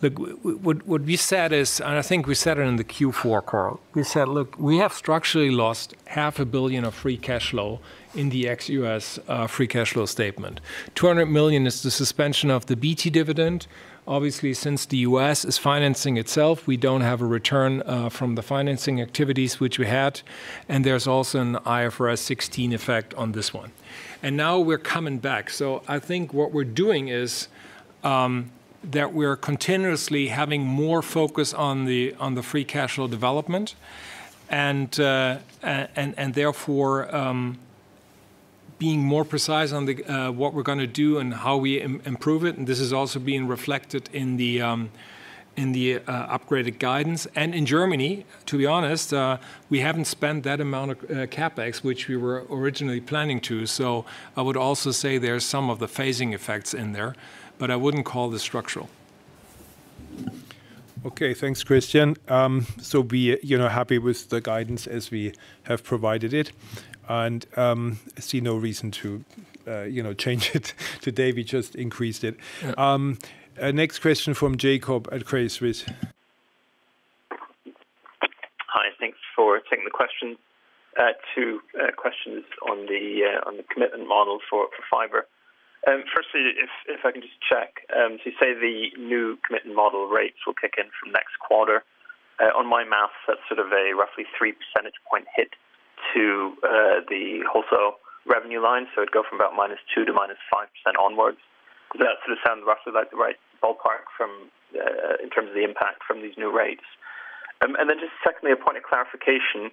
S3: what we said is, I think we said it in the Q4 call. We said, look, we have structurally lost 500 billion of free cash flow in the ex-U.S. free cash flow statement. 200 million is the suspension of the BT dividend. Obviously, since the U.S. is financing itself, we don't have a return from the financing activities which we had. There's also an IFRS 16 effect on this one. Now we're coming back. I think what we're doing is that we're continuously having more focus on the free cash flow development. Therefore, being more precise on what we're going to do and how we improve it, and this is also being reflected in the upgraded guidance. In Germany, to be honest, we haven't spent that amount of CapEx, which we were originally planning to. I would also say there are some of the phasing effects in there, but I wouldn't call this structural.
S2: Okay. Thanks, Christian. Be happy with the guidance as we have provided it, and I see no reason to change it today. We just increased it.
S3: Yeah.
S2: Next question from Jakob at Credit Suisse.
S10: Hi, thanks for taking the question. Two questions on the commitment model for fiber. Firstly, if I can just check, you say the new commitment model rates will kick in from next quarter. On my math, that's roughly a 3% point hit to the wholesale revenue line, it'd go from about -2% to -5% onwards. Does that sound roughly like the right ballpark in terms of the impact from these new rates? Then just secondly, a point of clarification.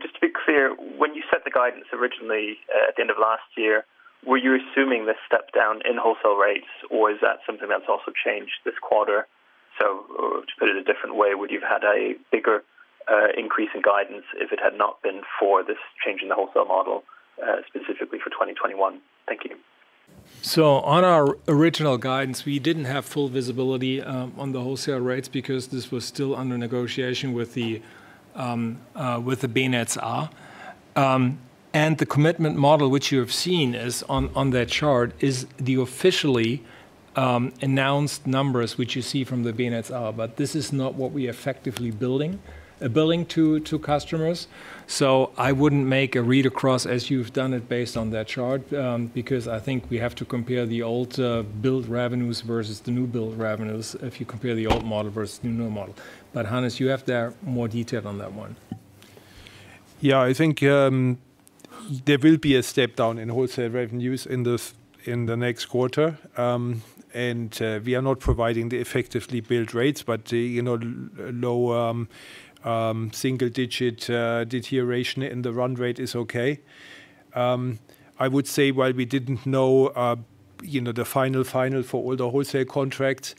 S10: Just to be clear, when you set the guidance originally at the end of last year, were you assuming this step down in wholesale rates or is that something that's also changed this quarter? To put it a different way, would you have had a bigger increase in guidance if it had not been for this change in the wholesale model, specifically for 2021? Thank you.
S3: On our original guidance, we didn't have full visibility on the wholesale rates because this was still under negotiation with the Bundesnetzagentur. The commitment model which you have seen on that chart is the officially announced numbers, which you see from the Bundesnetzagentur. This is not what we effectively billing to customers. I wouldn't make a read across as you've done it based on that chart, because I think we have to compare the old billed revenues versus the new billed revenues if you compare the old model versus the new model. Hannes, you have there more detail on that one.
S2: Yeah, I think there will be a step down in wholesale revenues in the next quarter. We are not providing the effectively billed rates, but low single-digit deterioration in the run rate is okay. I would say while we didn't know the final for all the wholesale contracts,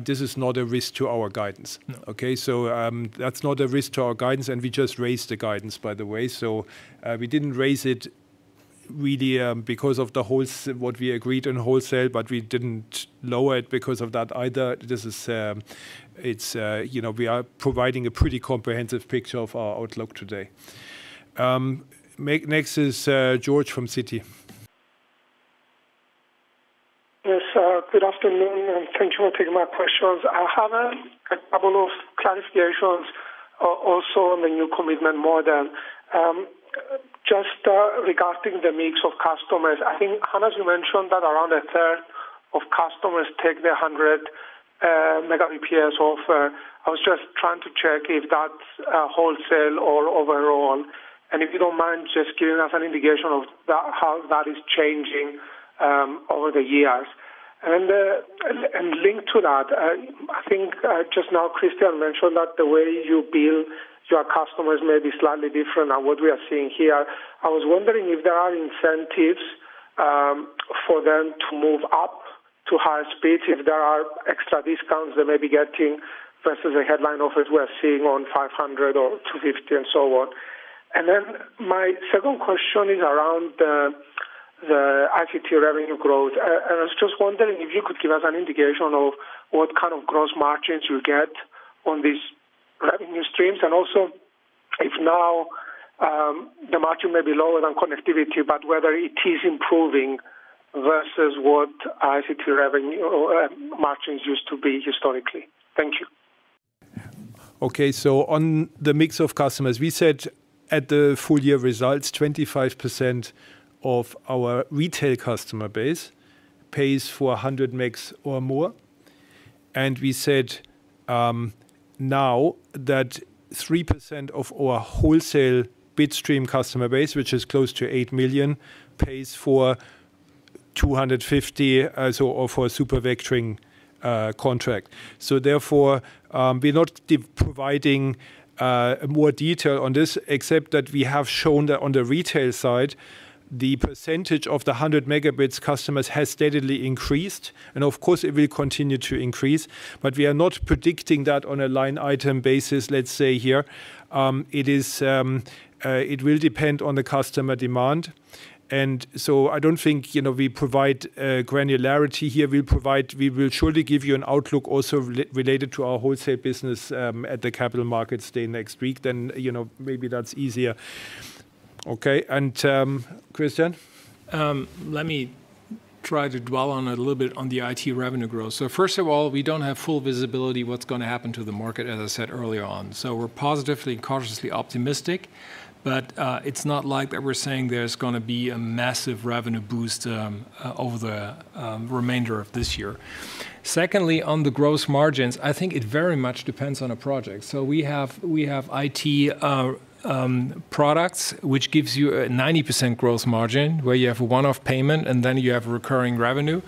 S2: this is not a risk to our guidance.
S3: No.
S2: Okay? That's not a risk to our guidance, and we just raised the guidance, by the way. We didn't raise it really because of what we agreed on wholesale, but we didn't lower it because of that either. We are providing a pretty comprehensive picture of our outlook today. Next is George from Citi.
S11: Yes, good afternoon, thank you for taking my questions. I have a couple of clarifications also on the new commitment model. Just regarding the mix of customers, I think, Hannes, you mentioned that around a third of customers take the 100 Mbps offer. I was just trying to check if that's wholesale or overall, and if you don't mind just giving us an indication of how that is changing over the years. Linked to that, I think just now Christian mentioned that the way you bill your customers may be slightly different than what we are seeing here. I was wondering if there are incentives for them to move up to higher speeds, if there are extra discounts they may be getting versus the headline offers we're seeing on 500 or 250 and so on. Then my second question is around the ICT revenue growth. I was just wondering if you could give us an indication of what kind of gross margins you get on these revenue streams and also if now the margin may be lower than connectivity, but whether it is improving versus what ICT revenue or margins used to be historically. Thank you.
S2: Okay. On the mix of customers, we said at the full year results, 25% of our retail customer base pays for 100 Mb or more. We said now that 3% of our wholesale bitstream customer base, which is close to 8 million, pays for 250 or for a super vectoring contract. Therefore, we're not providing more detail on this except that we have shown that on the retail side, the percentage of the 100 Mb customers has steadily increased, of course, it will continue to increase. We are not predicting that on a line item basis, let's say here. It will depend on the customer demand. I don't think we provide granularity here. We will surely give you an outlook also related to our wholesale business at the Capital Markets Day next week. Maybe that's easier. Okay. Christian?
S3: Let me try to dwell on it a little bit on the IT revenue growth. First of all, we don't have full visibility what's going to happen to the market, as I said earlier on. We're positively cautiously optimistic, but it's not like that we're saying there's going to be a massive revenue boost over the remainder of this year. Secondly, on the gross margins, I think it very much depends on a project. We have IT products which gives you a 90% gross margin, where you have a one-off payment and then you have recurring revenue.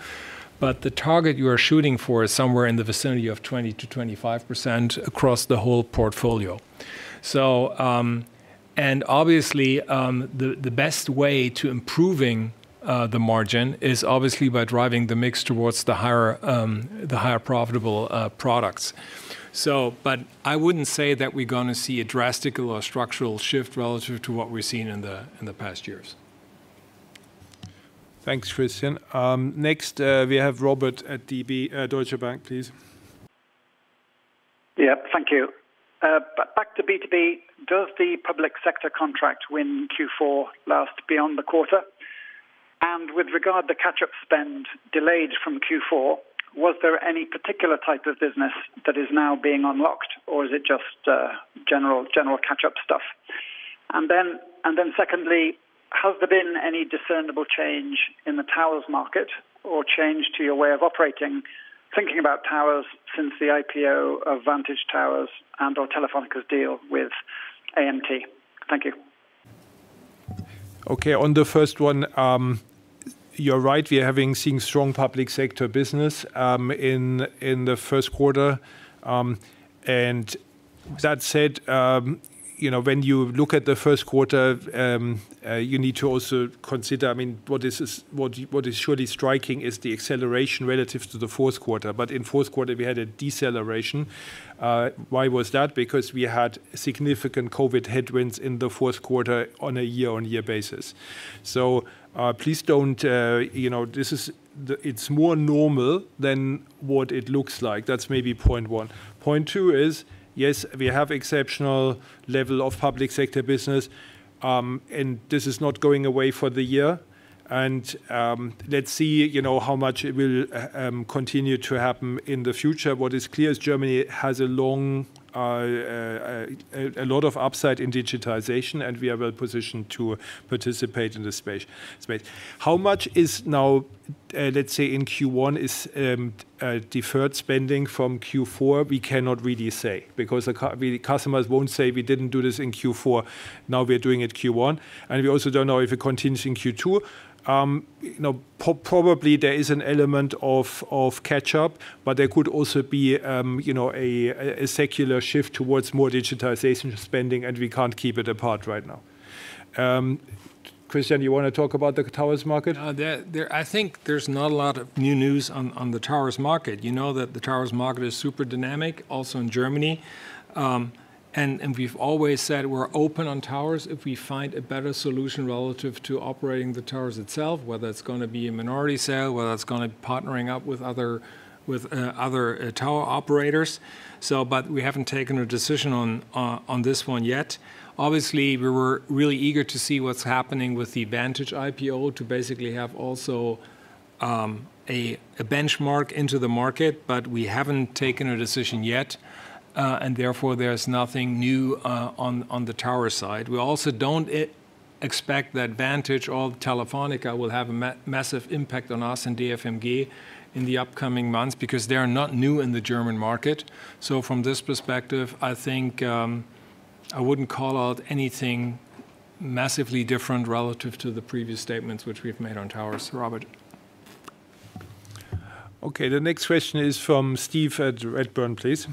S3: The target you are shooting for is somewhere in the vicinity of 20%-25% across the whole portfolio. Obviously, the best way to improving the margin is obviously by driving the mix towards the higher profitable products. I wouldn't say that we're going to see a drastic or structural shift relative to what we've seen in the past years.
S2: Thanks, Christian. Next, we have Robert at Deutsche Bank, please.
S12: Yeah. Thank you. Back to B2B, does the public sector contract win Q4 last beyond the quarter? With regard the catch-up spend delayed from Q4, was there any particular type of business that is now being unlocked or is it just general catch-up stuff? Secondly, has there been any discernible change in the towers market or change to your way of operating, thinking about towers since the IPO of Vantage Towers and/or Telefónica's deal with AMT? Thank you.
S2: Okay. On the first one, you're right. We are having seen strong public sector business in the first quarter. That said, when you look at the first quarter, you need to also consider, what is surely striking is the acceleration relative to the fourth quarter. In fourth quarter, we had a deceleration. Why was that? Because we had significant COVID headwinds in the fourth quarter on a year-on-year basis. Please, it's more normal than what it looks like. That's maybe point 1. Point 2 is, yes, we have exceptional level of public sector business, and this is not going away for the year. Let's see how much it will continue to happen in the future. What is clear is Germany has a lot of upside in digitization, and we are well positioned to participate in the space. How much is now, let's say, in Q1, is deferred spending from Q4? We cannot really say, because the customers won't say, we didn't do this in Q4, now we are doing it Q1. We also don't know if it continues in Q2. Probably there is an element of catch-up, but there could also be a secular shift towards more digitization spending, and we can't keep it apart right now. Christian, you want to talk about the towers market?
S3: I think there's not a lot of new news on the towers market. You know that the towers market is super dynamic also in Germany. We've always said we're open on towers if we find a better solution relative to operating the towers itself, whether it's going to be a minority sale, whether that's going to partnering up with other tower operators. We haven't taken a decision on this one yet. Obviously, we were really eager to see what's happening with the Vantage IPO to basically have also a benchmark into the market. We haven't taken a decision yet. Therefore, there's nothing new on the tower side. We also don't expect that Vantage or Telefónica will have a massive impact on us and DFMG in the upcoming months because they are not new in the German market. From this perspective, I think, I wouldn't call out anything massively different relative to the previous statements which we've made on towers. Robert.
S2: Okay. The next question is from Steve at Redburn, please.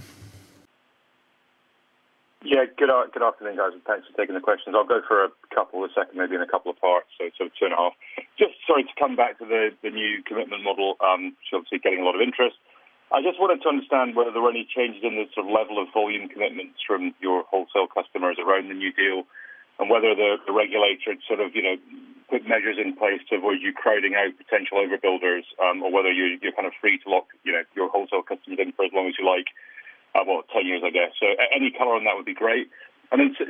S13: Good afternoon, guys, thanks for taking the questions. I'll go for a couple a second, maybe in a couple of parts. Turn off. Just sorry to come back to the new commitment model, which obviously getting a lot of interest. I just wanted to understand whether there were any changes in the sort of level of volume commitments from your wholesale customers around the new deal and whether the regulator had sort of put measures in place to avoid you crowding out potential overbuilders or whether you're kind of free to lock your wholesale customers in for as long as you like. About 10 years, I guess. Any color on that would be great.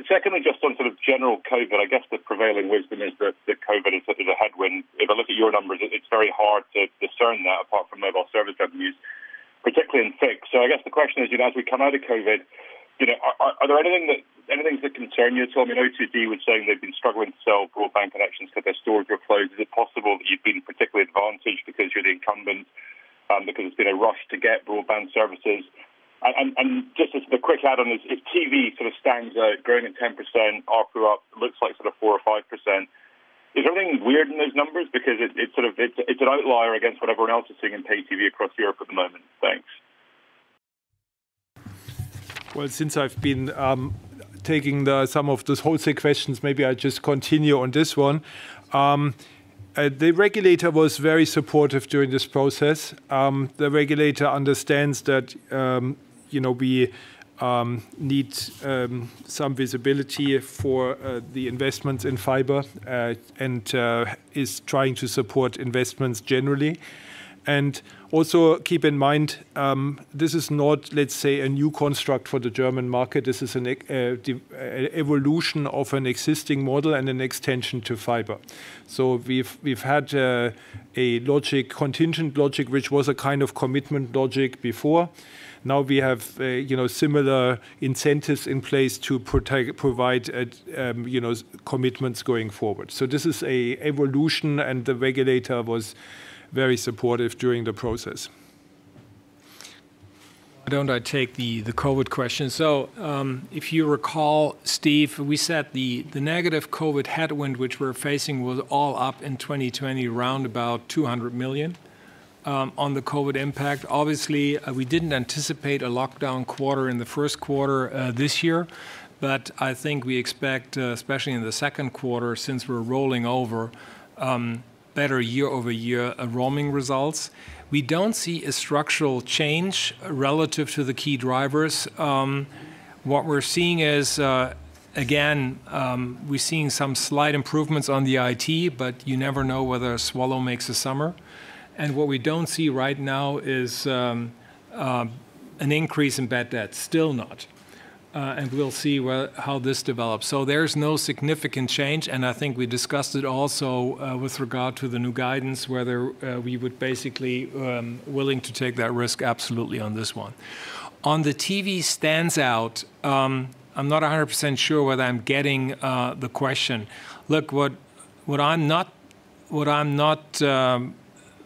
S13: Secondly, just on sort of general COVID, I guess the prevailing wisdom is that COVID is such as a headwind. If I look at your numbers, it's very hard to discern that apart from mobile service revenues, particularly in fixed. I guess the question is, as we come out of COVID, are there any things that concern you at all? I mean, O2 was saying they've been struggling to sell broadband connections because their stores were closed. Is it possible that you've been particularly advantaged because you're the incumbent, because there's been a rush to get broadband services? Just as the quick add-on is, if TV sort of stands out growing at 10%, ARPU up, looks like sort of 4% or 5%, is there anything weird in those numbers? Because it's an outlier against what everyone else is seeing in pay TV across Europe at the moment. Thanks.
S2: Well, since I've been taking some of those wholesale questions, maybe I just continue on this one. The regulator was very supportive during this process. The regulator understands that we need some visibility for the investments in fiber and is trying to support investments generally. Also keep in mind, this is not, let's say, a new construct for the German market. This is an evolution of an existing model and an extension to fiber. We've had a contingent logic, which was a kind of commitment logic before. Now we have similar incentives in place to provide commitments going forward. This is a evolution, and the regulator was very supportive during the process.
S3: Why don't I take the COVID question? If you recall, Steve, we said the negative COVID headwind, which we're facing was all up in 2020, around about 200 million on the COVID impact. Obviously, we didn't anticipate a lockdown quarter in the first quarter this year. I think we expect, especially in the second quarter, since we're rolling over better year-over-year roaming results. We don't see a structural change relative to the key drivers. What we're seeing is, again, we're seeing some slight improvements on the IT, but you never know whether a swallow makes a summer. What we don't see right now is an increase in bad debt, still not. We'll see how this develops. There's no significant change, and I think we discussed it also with regard to the new guidance, whether we would basically be willing to take that risk absolutely on this one. On the TV stands out, I'm not 100% sure whether I'm getting the question. Look, what I'm not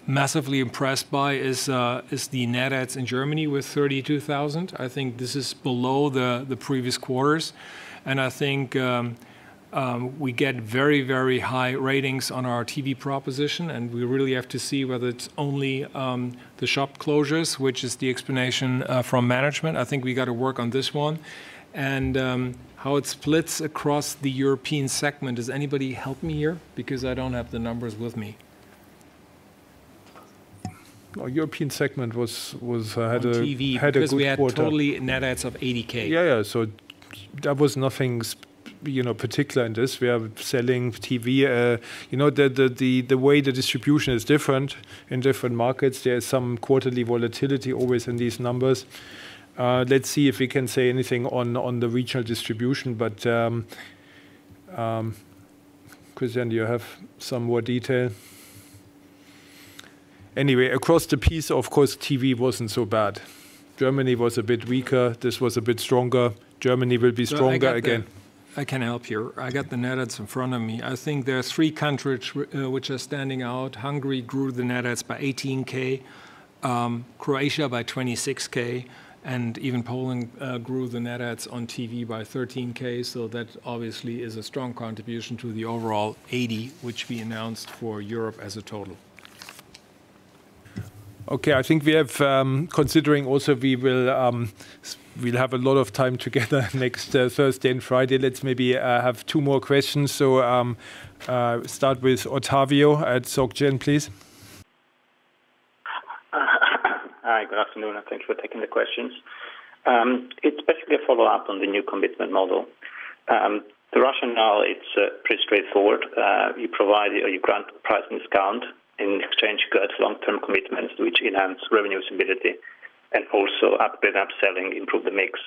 S3: massively impressed by is the net adds in Germany with 32,000. I think this is below the previous quarters. I think we get very high ratings on our TV proposition, and we really have to see whether it's only the shop closures, which is the explanation from management. I think we got to work on this one and how it splits across the European segment. Does anybody help me here? Because I don't have the numbers with me.
S2: European segment had a good quarter.
S3: On TV, because we had totally net adds of 80,000.
S2: Yeah. There was nothing particular in this. We are selling TV. The way the distribution is different in different markets, there's some quarterly volatility always in these numbers. Let's see if we can say anything on the regional distribution. Christian, do you have some more detail? Anyway, across the piece, of course, TV wasn't so bad. Germany was a bit weaker. This was a bit stronger. Germany will be stronger again.
S3: I can help here. I got the net adds in front of me. There are three countries which are standing out. Hungary grew the net adds by 18,000, Croatia by 26,000, and even Poland grew the net adds on TV by 13,000. That obviously is a strong contribution to the overall 80, which we announced for Europe as a total.
S2: Okay. Considering also we'll have a lot of time together next Thursday and Friday, let's maybe have two more questions. Start with Ottavio at SocGen, please.
S14: Hi, good afternoon, thanks for taking the questions. It's basically a follow-up on the new commitment model. The rationale it's pretty straightforward. You grant a price discount, in exchange you get long-term commitments which enhance revenue stability and also up-sell and cross-selling improve the mix.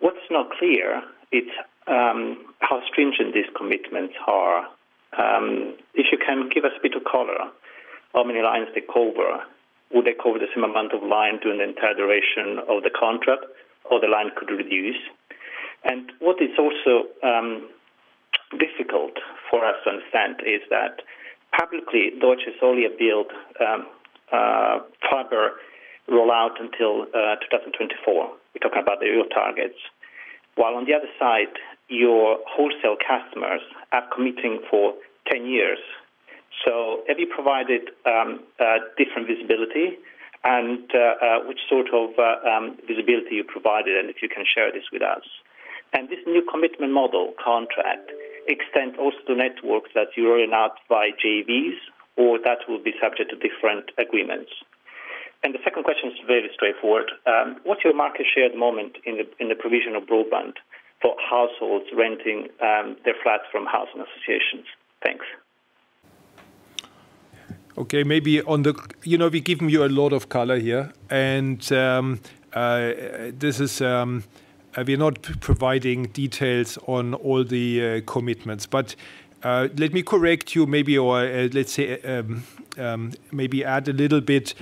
S14: What's not clear is how stringent these commitments are. If you can give us a bit of color, how many lines they cover. Will they cover the same amount of line during the entire duration of the contract or the line could reduce? What is also difficult for us to understand is that publicly, Deutsche solely appealed fiber rollout until 2024. We're talking about the real targets. While on the other side, your wholesale customers are committing for 10 years. Have you provided different visibility and which sort of visibility you provided, and if you can share this with us. This new commitment model contract extend also to networks that you roll out by JVs or that will be subject to different agreements? The second question is very straightforward. What's your market share at the moment in the provision of broadband for households renting their flats from housing associations? Thanks.
S2: Okay. We've given you a lot of color here. We're not providing details on all the commitments. Let me correct you or, let's say, maybe add a little bit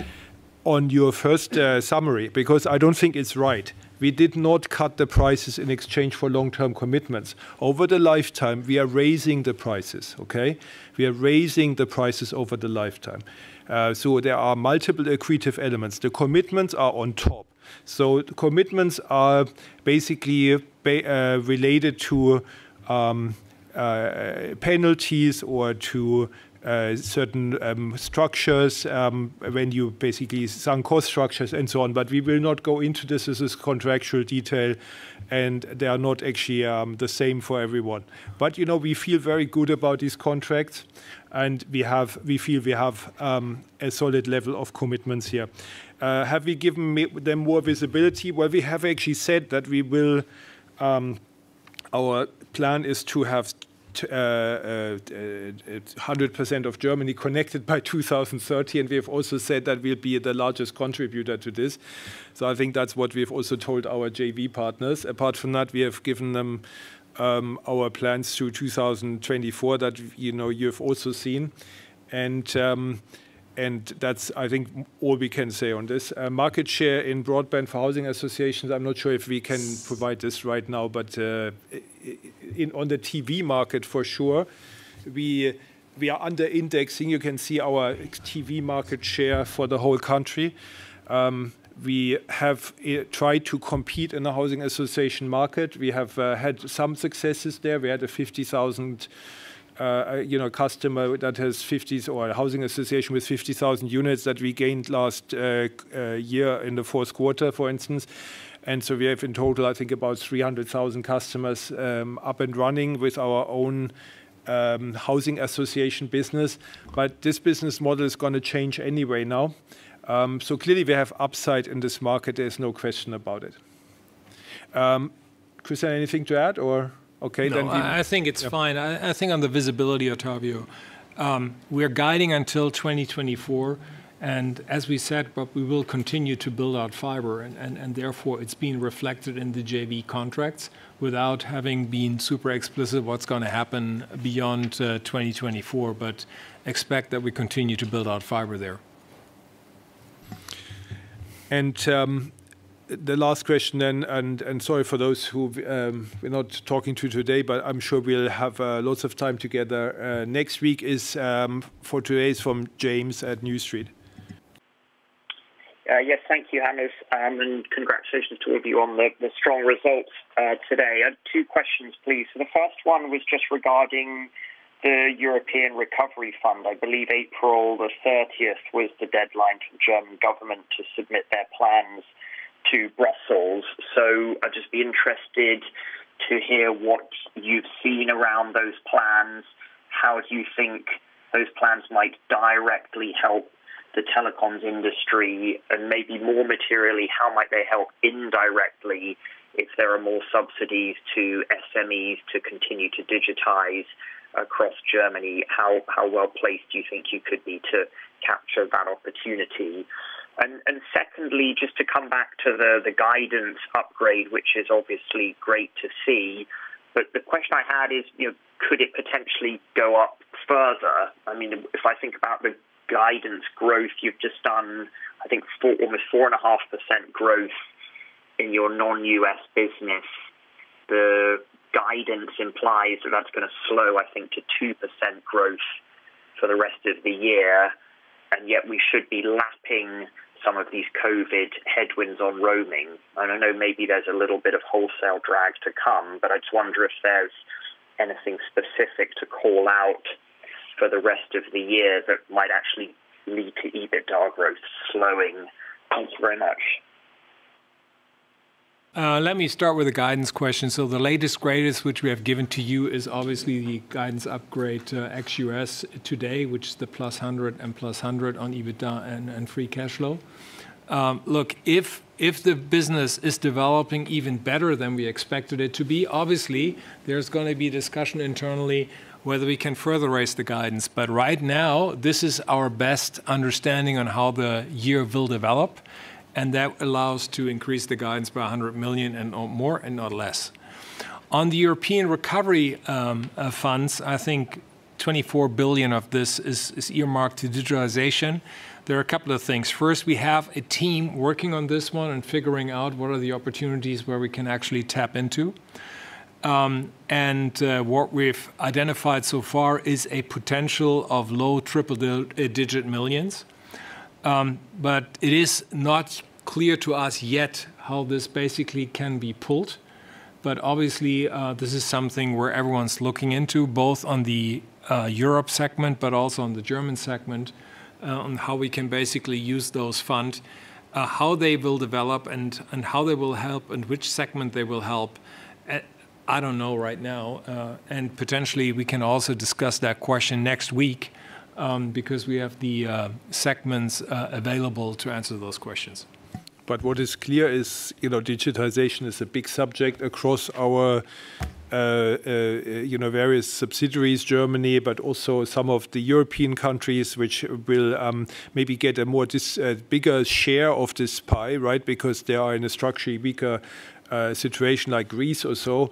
S2: on your first summary, because I don't think it's right. We did not cut the prices in exchange for long-term commitments. Over the lifetime, we are raising the prices, okay? We are raising the prices over the lifetime. There are multiple accretive elements. The commitments are on top. The commitments are basically related to penalties or to certain structures, some cost structures and so on. We will not go into this as a contractual detail. They are not actually the same for everyone. We feel very good about this contract. We feel we have a solid level of commitments here. Have we given them more visibility? We have actually said that our plan is to have 100% of Germany connected by 2030, and we have also said that we'll be the largest contributor to this. I think that's what we've also told our JV partners. Apart from that, we have given them our plans through 2024 that you've also seen. That's, I think, all we can say on this. Market share in broadband for housing associations, I'm not sure if we can provide this right now, but on the TV market, for sure, we are under-indexing. You can see our TV market share for the whole country. We have tried to compete in the housing association market. We have had some successes there. We had a housing association with 50,000 units that we gained last year in the fourth quarter, for instance. We have in total, I think, about 300,000 customers up and running with our own housing association business. This business model is going to change anyway now. Clearly, we have upside in this market. There's no question about it. Christian, anything to add, or are we okay then?
S3: No, I think it’s fine. I think on the visibility, Ottavio, we’re guiding until 2024, and as we said, we will continue to build out fiber and therefore it’s being reflected in the JV contracts without having been super explicit what’s going to happen beyond 2024. Expect that we continue to build out fiber there.
S2: The last question then, and sorry for those who we're not talking to today, but I'm sure we'll have lots of time together next week, is for today from James at New Street.
S15: Yes, thank you, Hannes, and congratulations to all of you on the strong results today. I have two questions, please. The first one was just regarding the European Recovery fund. I believe April 30th was the deadline for the German government to submit their plans to Brussels. I'd just be interested to hear what you've seen around those plans, how you think those plans might directly help the telecoms industry, and maybe more materially, how might they help indirectly if there are more subsidies to SMEs to continue to digitize across Germany? How well-placed do you think you could be to capture that opportunity? Secondly, just to come back to the guidance upgrade, which is obviously great to see, but the question I had is could it potentially go up further? If I think about the guidance growth you've just done, I think almost 4.5% growth in your non-U.S. business. The guidance implies that's going to slow, I think, to 2% growth for the rest of the year. Yet we should be lapping some of these COVID headwinds on roaming. I know maybe there's a little bit of wholesale drag to come, but I just wonder if there's anything specific to call out for the rest of the year that might actually lead to EBITDA growth slowing. Thanks very much.
S3: Let me start with the guidance question. The latest greatest which we have given to you is obviously the guidance upgrade ex U.S. today, which is the +100 and +100 on EBITDA and free cash flow. Look, if the business is developing even better than we expected it to be, obviously there's going to be discussion internally whether we can further raise the guidance. Right now, this is our best understanding on how the year will develop, and that allows to increase the guidance by 100 million and more and not less. On the European Recovery funds, I think 24 billion of this is earmarked to digitalization. There are a couple of things. First, we have a team working on this one and figuring out what are the opportunities where we can actually tap into. What we've identified so far is a potential of low triple-digit millions. It is not clear to us yet how this basically can be pulled. Obviously, this is something where everyone's looking into, both on the Europe segment, but also on the German segment, on how we can basically use those funds. How they will develop and how they will help and which segment they will help, I don't know right now. Potentially, we can also discuss that question next week, because we have the segments available to answer those questions.
S2: What is clear is digitalization is a big subject across our various subsidiaries, Germany, but also some of the European countries which will maybe get a bigger share of this pie, right? Because they are in a structurally weaker situation like Greece or so.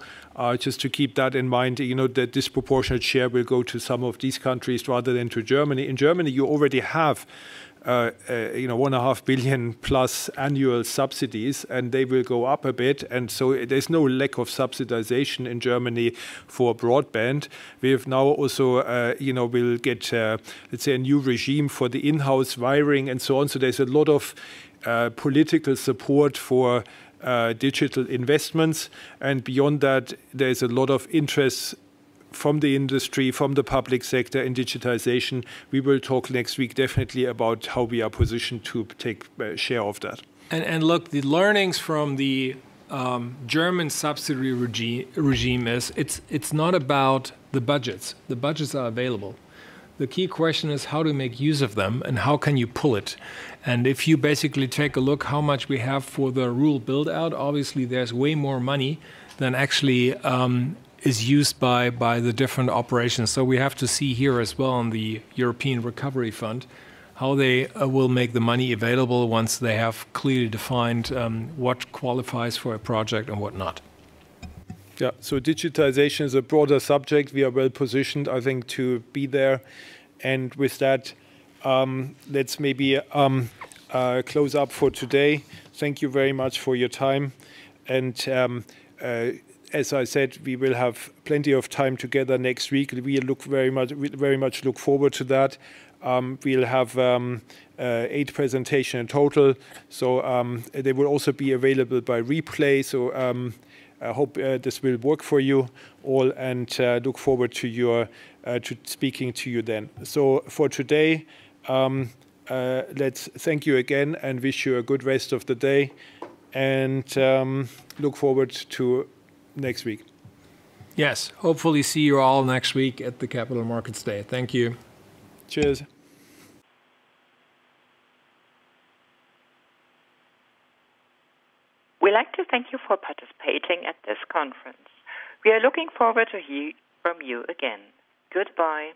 S2: Just to keep that in mind, the disproportionate share will go to some of these countries rather than to Germany. In Germany, you already have 1.5 billion-plus annual subsidies, and they will go up a bit, and so there's no lack of subsidization in Germany for broadband. We have now also will get, let's say, a new regime for the in-house wiring and so on. So there's a lot of political support for digital investments. Beyond that, there's a lot of interest from the industry, from the public sector in digitization. We will talk next week definitely about how we are positioned to take a share of that.
S3: Look, the learnings from the German subsidiary regime is it's not about the budgets. The budgets are available. The key question is how to make use of them and how can you pull it? If you basically take a look how much we have for the rural build-out, obviously, there's way more money than actually is used by the different operations. We have to see here as well on the European recovery fund, how they will make the money available once they have clearly defined what qualifies for a project and what not.
S2: Yeah. Digitization is a broader subject. We are well-positioned, I think, to be there. With that, let's maybe close up for today. Thank you very much for your time. As I said, we will have plenty of time together next week. We very much look forward to that. We will have eight presentations in total. They will also be available by replay. I hope this will work for you all and look forward to speaking to you then. For today, let's thank you again and wish you a good rest of the day and look forward to next week.
S3: Yes. Hopefully see you all next week at the Capital Markets Day. Thank you.
S2: Cheers.
S1: We'd like to thank you for participating at this conference. We are looking forward to hear from you again. Goodbye.